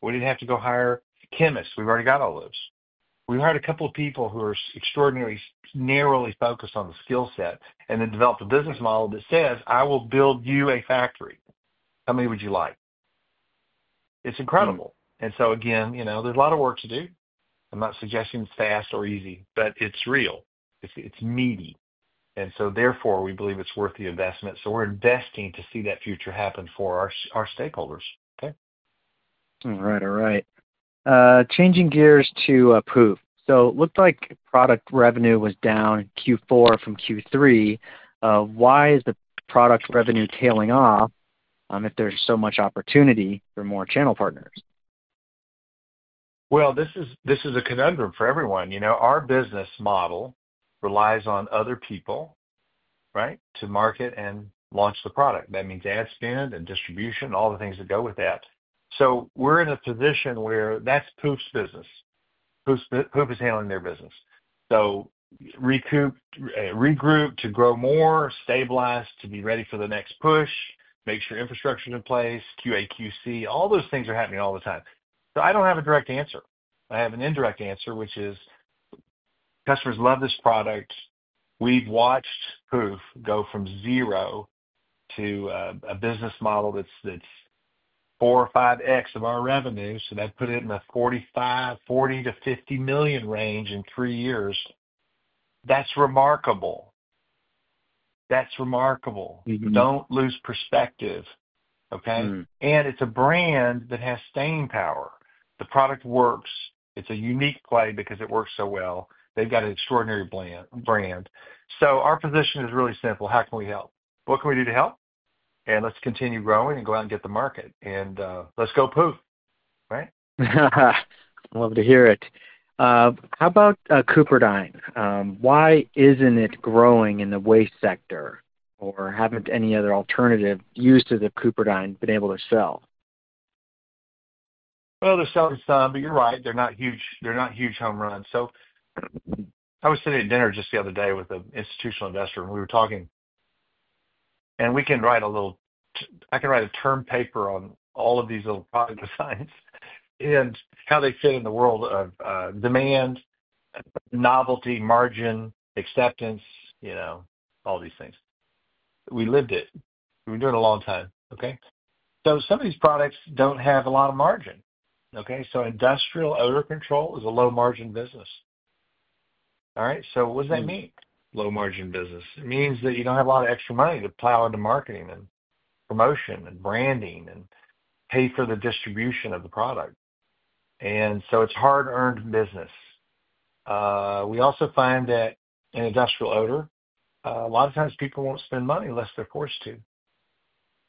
We didn't have to go hire chemists. We've already got all those. We hired a couple of people who are extraordinarily narrowly focused on the skill set and then developed a business model that says, "I will build you a factory. How many would you like?" It's incredible. There is a lot of work to do. I'm not suggesting it's fast or easy, but it's real. It's meaty. Therefore, we believe it's worth the investment. We are investing to see that future happen for our stakeholders. Okay? All right. All right. Changing gears to Pooph. It looked like product revenue was down Q4 from Q3. Why is the product revenue tailing off if there's so much opportunity for more channel partners? This is a conundrum for everyone. Our business model relies on other people, right, to market and launch the product. That means ad spend and distribution and all the things that go with that. We are in a position where that's Pooph's business. Pooph is handling their business. Regroup to grow more, stabilize to be ready for the next push, make sure infrastructure is in place, QA/QC. All those things are happening all the time. I do not have a direct answer. I have an indirect answer, which is customers love this product. We have watched Pooph go from zero to a business model that's four or five X of our revenue. That put it in the $40 million-$50 million range in three years. That is remarkable. That is remarkable. Do not lose perspective. Okay? It is a brand that has staying power. The product works. It's a unique play because it works so well. They've got an extraordinary brand. Our position is really simple. How can we help? What can we do to help? Let's continue growing and go out and get the market. Let's go Pooph. Right? Love to hear it. How about CupriDyne Clean? Why isn't it growing in the waste sector? Or haven't any other alternatives to the CupriDyne Clean able to sell? They're selling some, but you're right. They're not huge home runs. I was sitting at dinner just the other day with an institutional investor, and we were talking. I can write a little—I can write a term paper on all of these little product designs and how they fit in the world of demand, novelty, margin, acceptance, all these things. We lived it. We've been doing it a long time. Okay? Some of these products don't have a lot of margin. Okay? Industrial odor control is a low-margin business. All right? What does that mean? Low-margin business. It means that you don't have a lot of extra money to plow into marketing and promotion and branding and pay for the distribution of the product. It's hard-earned business. We also find that in industrial odor, a lot of times people won't spend money unless they're forced to.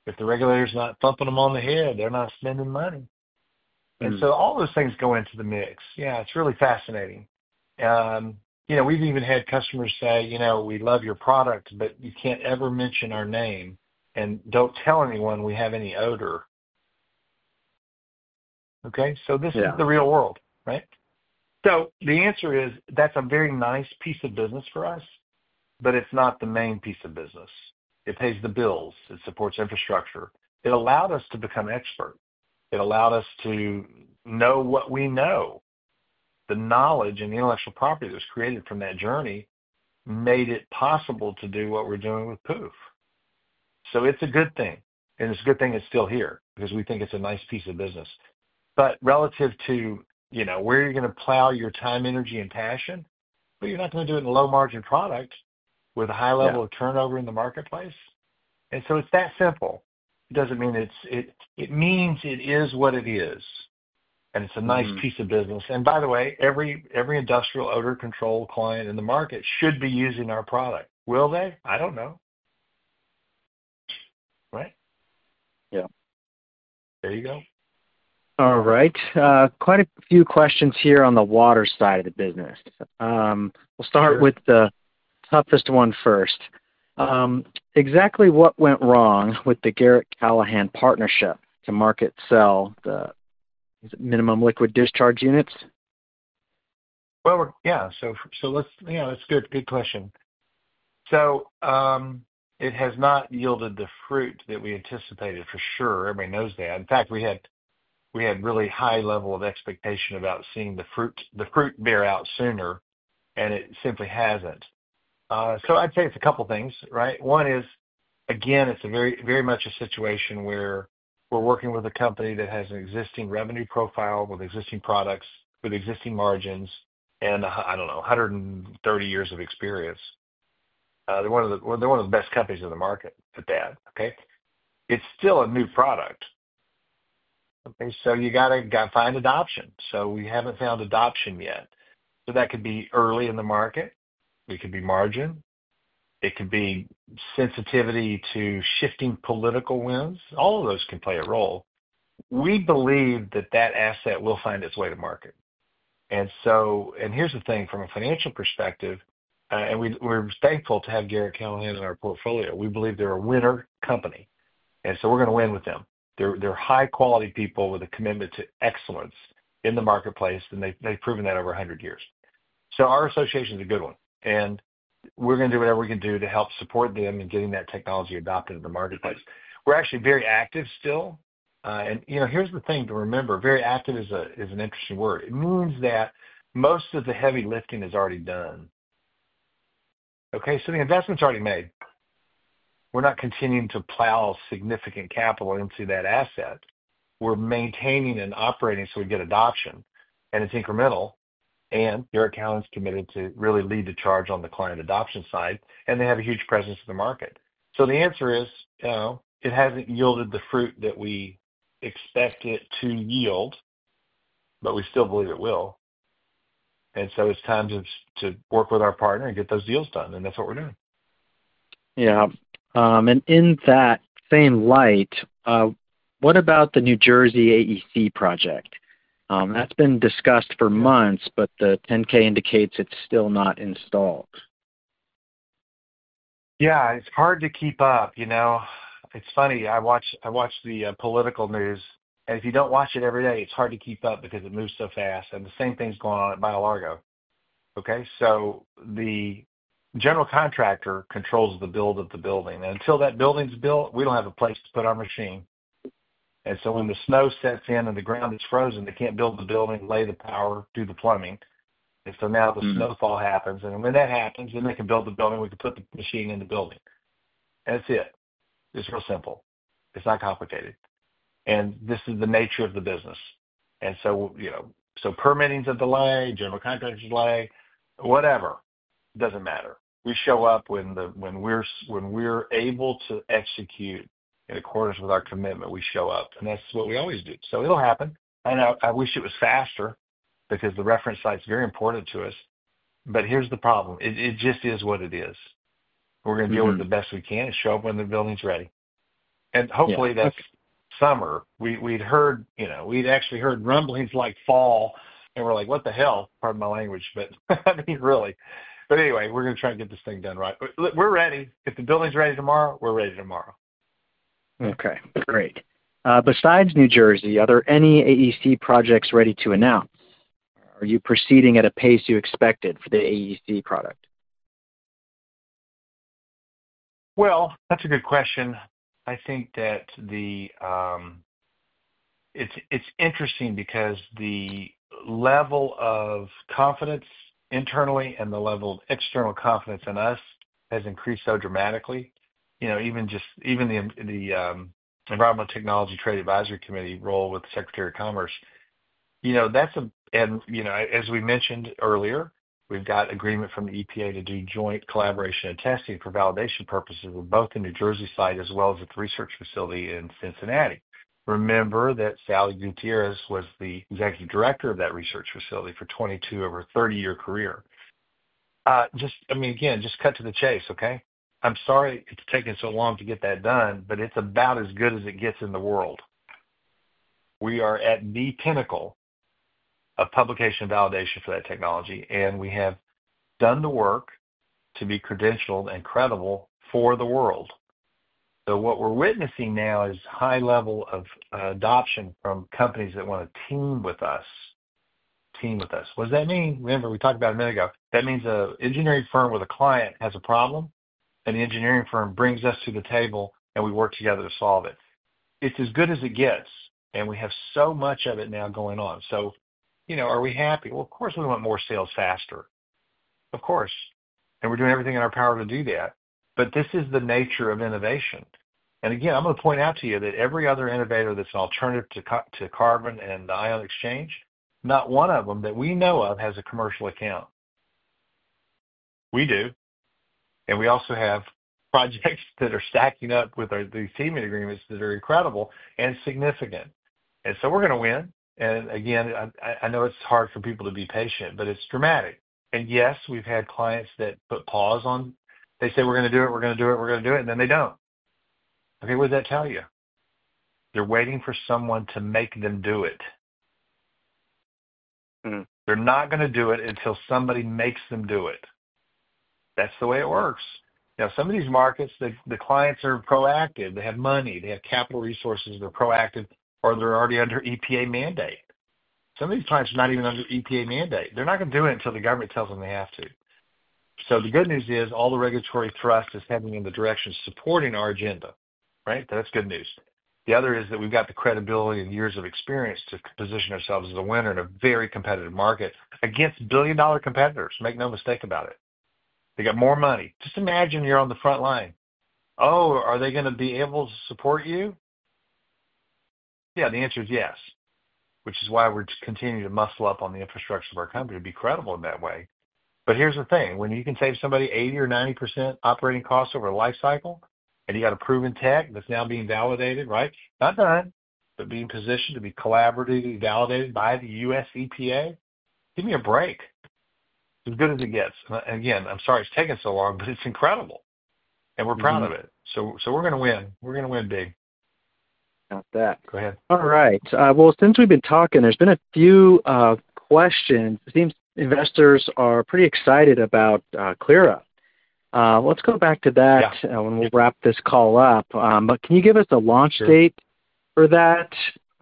If the regulator's not bumping them on the head, they're not spending money. All those things go into the mix. Yeah. It's really fascinating. We've even had customers say, "We love your product, but you can't ever mention our name and don't tell anyone we have any odor." Okay? This is the real world. Right? The answer is that's a very nice piece of business for us, but it's not the main piece of business. It pays the bills. It supports infrastructure. It allowed us to become experts. It allowed us to know what we know. The knowledge and the Intellectual Property that was created from that journey made it possible to do what we're doing with Pooph. It's a good thing. It is a good thing it is still here because we think it is a nice piece of business. Relative to where you are going to plow your time, energy, and passion, you are not going to do it in a low-margin product with a high level of turnover in the marketplace. It is that simple. It does not mean it is—it means it is what it is. It is a nice piece of business. By the way, every industrial odor control client in the market should be using our product. Will they? I do not know. Right? Yeah. There you go. All right. Quite a few questions here on the water side of the business. We'll start with the toughest one first. Exactly what went wrong with the Garratt-Callahan partnership to market sell the Minimum Liquid Discharge units? That is a good question. It has not yielded the fruit that we anticipated for sure. Everybody knows that. In fact, we had a really high level of expectation about seeing the fruit bear out sooner, and it simply has not. I would say it is a couple of things. Right? One is, again, it is very much a situation where we are working with a company that has an existing revenue profile with existing products, with existing margins, and I do not know, 130 years of experience. They are one of the best companies in the market at that. It is still a new product. You have to find adoption. We have not found adoption yet. That could be early in the market. It could be margin. It could be sensitivity to shifting political winds. All of those can play a role. We believe that that asset will find its way to market. Here's the thing from a financial perspective, and we're thankful to have Garrett-Callahan in our portfolio. We believe they're a winner company. We're going to win with them. They're high-quality people with a commitment to excellence in the marketplace, and they've proven that over 100 years. Our association is a good one. We're going to do whatever we can do to help support them in getting that technology adopted in the marketplace. We're actually very active still. Here's the thing to remember. Very active is an interesting word. It means that most of the heavy lifting is already done. Okay? The investment's already made. We're not continuing to plow significant capital into that asset. We're maintaining and operating so we get adoption. It's incremental. Garratt-Callahan's committed to really lead the charge on the client adoption side. They have a huge presence in the market. The answer is it hasn't yielded the fruit that we expect it to yield, but we still believe it will. It is time to work with our partner and get those deals done. That is what we're doing. Yeah. In that same light, what about the New Jersey AEC project? That's been discussed for months, but the 10-K indicates it's still not installed. Yeah. It's hard to keep up. It's funny. I watch the political news. If you don't watch it every day, it's hard to keep up because it moves so fast. The same thing's going on at BioLargo. Okay? The general contractor controls the build of the building. Until that building's built, we don't have a place to put our machine. When the snow sets in and the ground is frozen, they can't build the building, lay the power, do the plumbing. Now the snowfall happens. When that happens, they can build the building. We can put the machine in the building. That's it. It's real simple. It's not complicated. This is the nature of the business. Permitting's have delayed, general contractors delayed, whatever. It doesn't matter. We show up when we're able to execute in accordance with our commitment. We show up. That's what we always do. It'll happen. I wish it was faster because the reference site's very important to us. Here's the problem. It just is what it is. We're going to deal with it the best we can and show up when the building's ready. Hopefully, that's summer. We'd actually heard rumblings like fall. We're like, "What the hell?" Pardon my language, but I mean, really. Anyway, we're going to try and get this thing done right. We're ready. If the building's ready tomorrow, we're ready tomorrow. Okay. Great. Besides New Jersey, are there any AEC projects ready to announce? Are you proceeding at a pace you expected for the AEC product? That's a good question. I think that it's interesting because the level of confidence internally and the level of external confidence in us has increased so dramatically. Even the Environmental Technology Trade Advisory Committee role with the Secretary of Commerce. As we mentioned earlier, we've got agreement from the EPA to do joint collaboration and testing for validation purposes with both the New Jersey site as well as its research facility in Cincinnati. Remember that Sally Gutierrez was the Executive Director of that research facility for 22 over a 30-year career. I mean, again, just cut to the chase. Okay? I'm sorry it's taken so long to get that done, but it's about as good as it gets in the world. We are at the pinnacle of publication validation for that technology. We have done the work to be credentialed and credible for the world. What we're witnessing now is high level of adoption from companies that want to team with us. Team with us. What does that mean? Remember, we talked about it a minute ago. That means an engineering firm with a client has a problem. An engineering firm brings us to the table, and we work together to solve it. It's as good as it gets. We have so much of it now going on. Are we happy? Of course, we want more sales faster. Of course. We're doing everything in our power to do that. This is the nature of innovation. Again, I'm going to point out to you that every other innovator that's an alternative to carbon and the ion exchange, not one of them that we know of has a commercial account. We do. We also have projects that are stacking up with these teaming agreements that are incredible and significant. We are going to win. I know it's hard for people to be patient, but it's dramatic. Yes, we've had clients that put pause on. They say, "We're going to do it. We're going to do it. We're going to do it." And then they don't. Okay? What does that tell you? They're waiting for someone to make them do it. They're not going to do it until somebody makes them do it. That's the way it works. Now, some of these markets, the clients are proactive. They have money. They have capital resources. They're proactive, or they're already under EPA mandate. Some of these clients are not even under EPA mandate. They're not going to do it until the government tells them they have to. The good news is all the regulatory thrust is heading in the direction supporting our agenda. Right? That's good news. The other is that we've got the credibility and years of experience to position ourselves as a winner in a very competitive market against billion-dollar competitors. Make no mistake about it. They got more money. Just imagine you're on the front line. Oh, are they going to be able to support you? Yeah. The answer is yes, which is why we're continuing to muscle up on the infrastructure of our company to be credible in that way. Here's the thing. When you can save somebody 80% or 90% operating cost over a lifecycle, and you got a proven tech that's now being validated. Right? Not done, but being positioned to be collaboratively validated by the U.S. EPA. Give me a break. It's as good as it gets. I'm sorry it's taking so long, but it's incredible. We're proud of it. We're going to win. We're going to win big. Got that. Go ahead. All right. Since we've been talking, there's been a few questions. It seems investors are pretty excited about Clyra. Let's go back to that when we wrap this call up. Can you give us a launch date for that?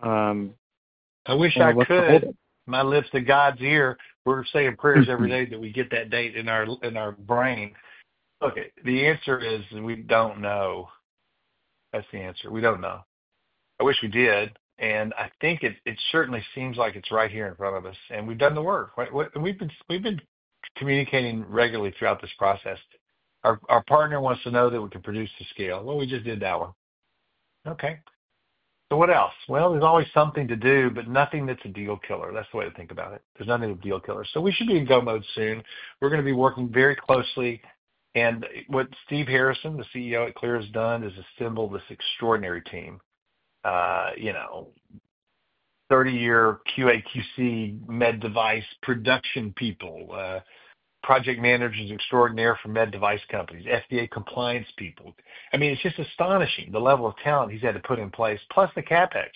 I wish I could. My lips to God's ear. We're saying prayers every day that we get that date in our brain. Look, the answer is we don't know. That's the answer. We don't know. I wish we did. I think it certainly seems like it's right here in front of us. We've done the work. We've been communicating regularly throughout this process. Our partner wants to know that we can produce to scale. We just did that one. What else? There's always something to do, but nothing that's a deal killer. That's the way to think about it. There's nothing that's a deal killer. We should be in go mode soon. We're going to be working very closely. What Steve Harrison, the CEO at Clyra, has done is assemble this extraordinary team. Thirty-year QA/QC med device production people. Project managers extraordinaire for med device companies. FDA compliance people. I mean, it's just astonishing the level of talent he's had to put in place. Plus the CapEx.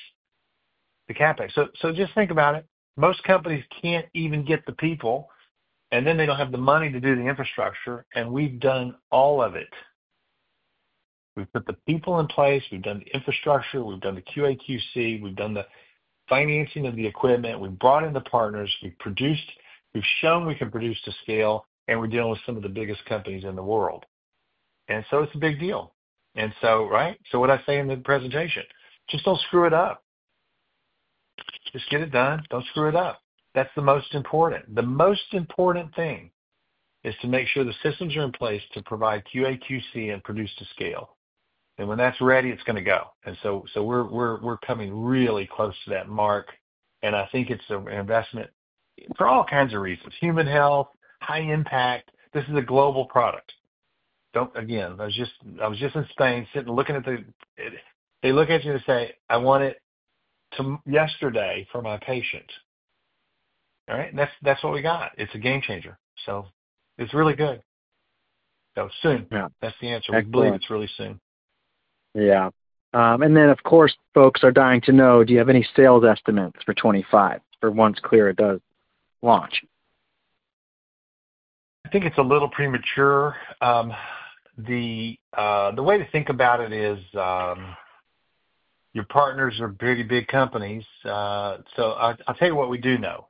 The CapEx. Just think about it. Most companies can't even get the people, and then they don't have the money to do the infrastructure. We've done all of it. We've put the people in place. We've done the infrastructure. We've done the QA/QC. We've done the financing of the equipment. We've brought in the partners. We've shown we can produce to scale, and we're dealing with some of the biggest companies in the world. It's a big deal. What I say in the presentation, just don't screw it up. Just get it done. Don't screw it up. That's the most important. The most important thing is to make sure the systems are in place to provide QA/QC and produce to scale. When that's ready, it's going to go. We're coming really close to that mark. I think it's an investment for all kinds of reasons. Human health, high impact. This is a global product. I was just in Spain sitting looking at the—they look at you and say, "I want it yesterday for my patient." That's what we got. It's a game changer. It's really good. Soon. That's the answer. We believe it's really soon. Yeah. Of course, folks are dying to know, do you have any sales estimates for 2025 for once Clyra does launch? I think it's a little premature. The way to think about it is your partners are pretty big companies. I'll tell you what we do know.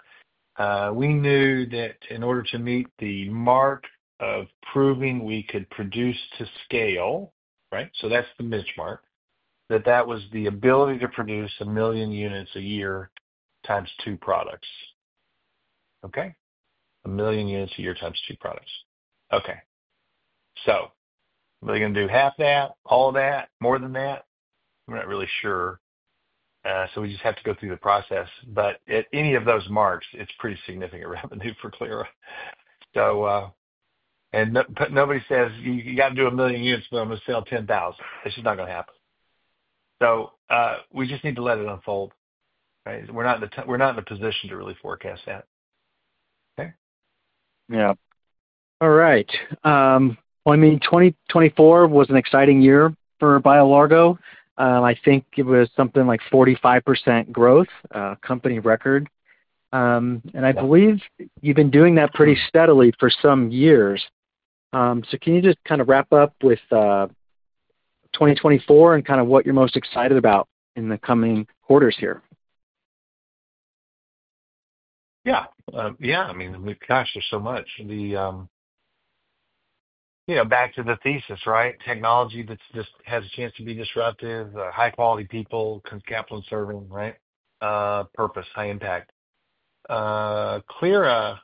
We knew that in order to meet the mark of proving we could produce to scale, right? That's the benchmark, that that was the ability to produce 1 million units a year times two products. Okay? 1 million units a year times two products. Okay. Are they going to do half that, all that, more than that? We're not really sure. We just have to go through the process. At any of those marks, it's pretty significant revenue for Clyra. Nobody says, "You got to do 1 million units, but I'm going to sell 10,000." It's just not going to happen. We just need to let it unfold. Right? We're not in the position to really forecast that. Okay? Yeah. All right. I mean, 2024 was an exciting year for BioLargo. I think it was something like 45% growth, company record. And I believe you've been doing that pretty steadily for some years. Can you just kind of wrap up with 2024 and kind of what you're most excited about in the coming quarters here? Yeah. Yeah. I mean, gosh, there's so much. Back to the thesis, right? Technology that just has a chance to be disruptive, high-quality people, capital and serving, right? Purpose, high impact. Clyra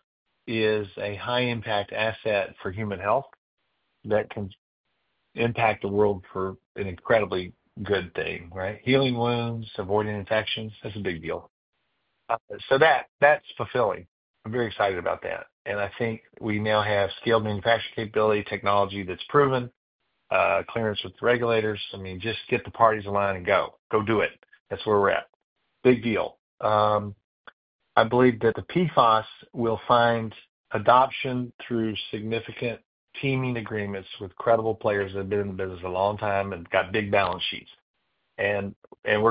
is a high-impact asset for human health that can impact the world for an incredibly good thing. Right? Healing wounds, avoiding infections. That's a big deal. That's fulfilling. I'm very excited about that. I think we now have scaled manufacturing capability, technology that's proven, clearance with the regulators. I mean, just get the parties in line and go. Go do it. That's where we're at. Big deal. I believe that the PFAS will find adoption through significant teaming agreements with credible players that have been in the business a long time and got big balance sheets. We're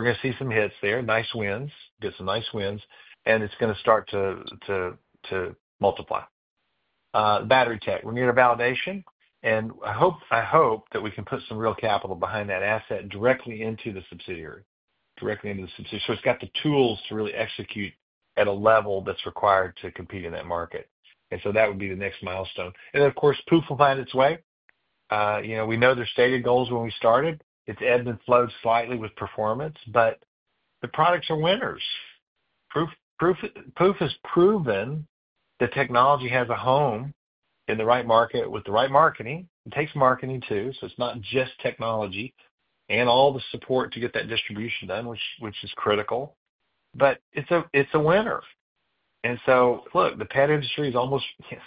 going to see some hits there. Nice wins. Get some nice wins. It's going to start to multiply. Battery tech. We're near to validation. I hope that we can put some real capital behind that asset directly into the subsidiary. Directly into the subsidiary. It's got the tools to really execute at a level that's required to compete in that market. That would be the next milestone. Of course, Pooph will find its way. We know their stated goals when we started. It's ebbed and flowed slightly with performance. The products are winners. Pooph has proven that technology has a home in the right market with the right marketing. It takes marketing too. It's not just technology and all the support to get that distribution done, which is critical. It's a winner. The pet industry is almost,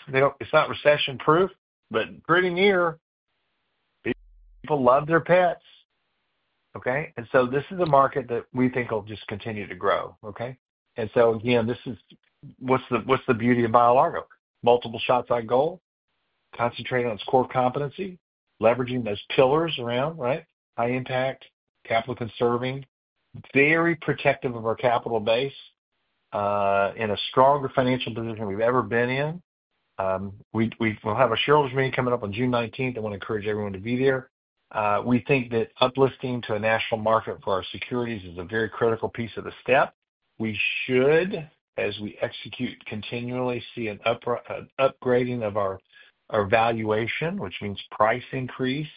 it's not recession-proof, but pretty near. People love their pets. Okay? This is a market that we think will just continue to grow. Okay? This is what's the beauty of BioLargo. Multiple shots on goal, concentrating on its core competency, leveraging those pillars around, right? High impact, capital conserving, very protective of our capital base, in a stronger financial position than we've ever been in. We'll have a shareholders meeting coming up on June 19th. I want to encourage everyone to be there. We think that uplifting to a national market for our securities is a very critical piece of the step. We should, as we execute continually, see an upgrading of our valuation, which means price increase.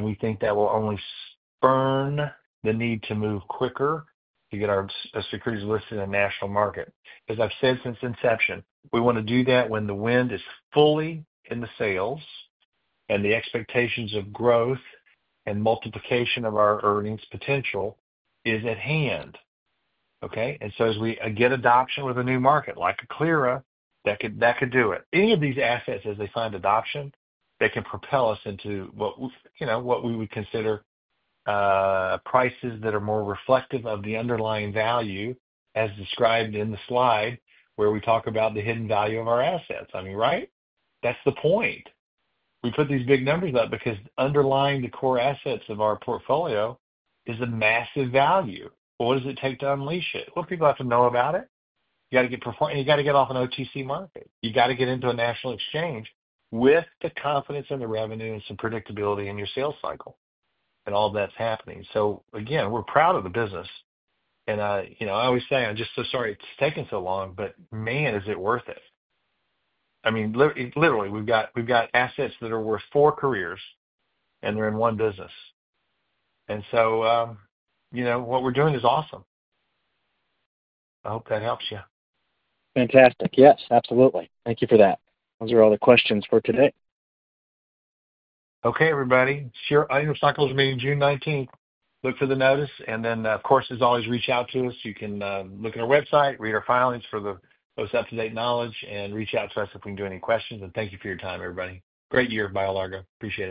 We think that will only spurn the need to move quicker to get our securities listed in a national market. As I've said since inception, we want to do that when the wind is fully in the sails and the expectations of growth and multiplication of our earnings potential is at hand. Okay? As we get adoption with a new market like a Clyra, that could do it. Any of these assets, as they find adoption, they can propel us into what we would consider prices that are more reflective of the underlying value, as described in the slide where we talk about the hidden value of our assets. I mean, right? That's the point. We put these big numbers up because underlying the core assets of our portfolio is a massive value. What does it take to unleash it? People have to know about it. You got to get performing. You got to get off an OTC market. You got to get into a national exchange with the confidence in the revenue and some predictability in your sales cycle and all that's happening. Again, we're proud of the business. I always say, I'm just so sorry it's taken so long, but man, is it worth it? I mean, literally, we've got assets that are worth four careers, and they're in one business. What we're doing is awesome. I hope that helps you. Fantastic. Yes, absolutely. Thank you for that. Those are all the questions for today. Okay, everybody. Shareholders are meeting 19th June. Look for the notice. Of course, as always, reach out to us. You can look at our website, read our filings for the most up-to-date knowledge, and reach out to us if we can do any questions. Thank you for your time, everybody. Great year, BioLargo. Appreciate it.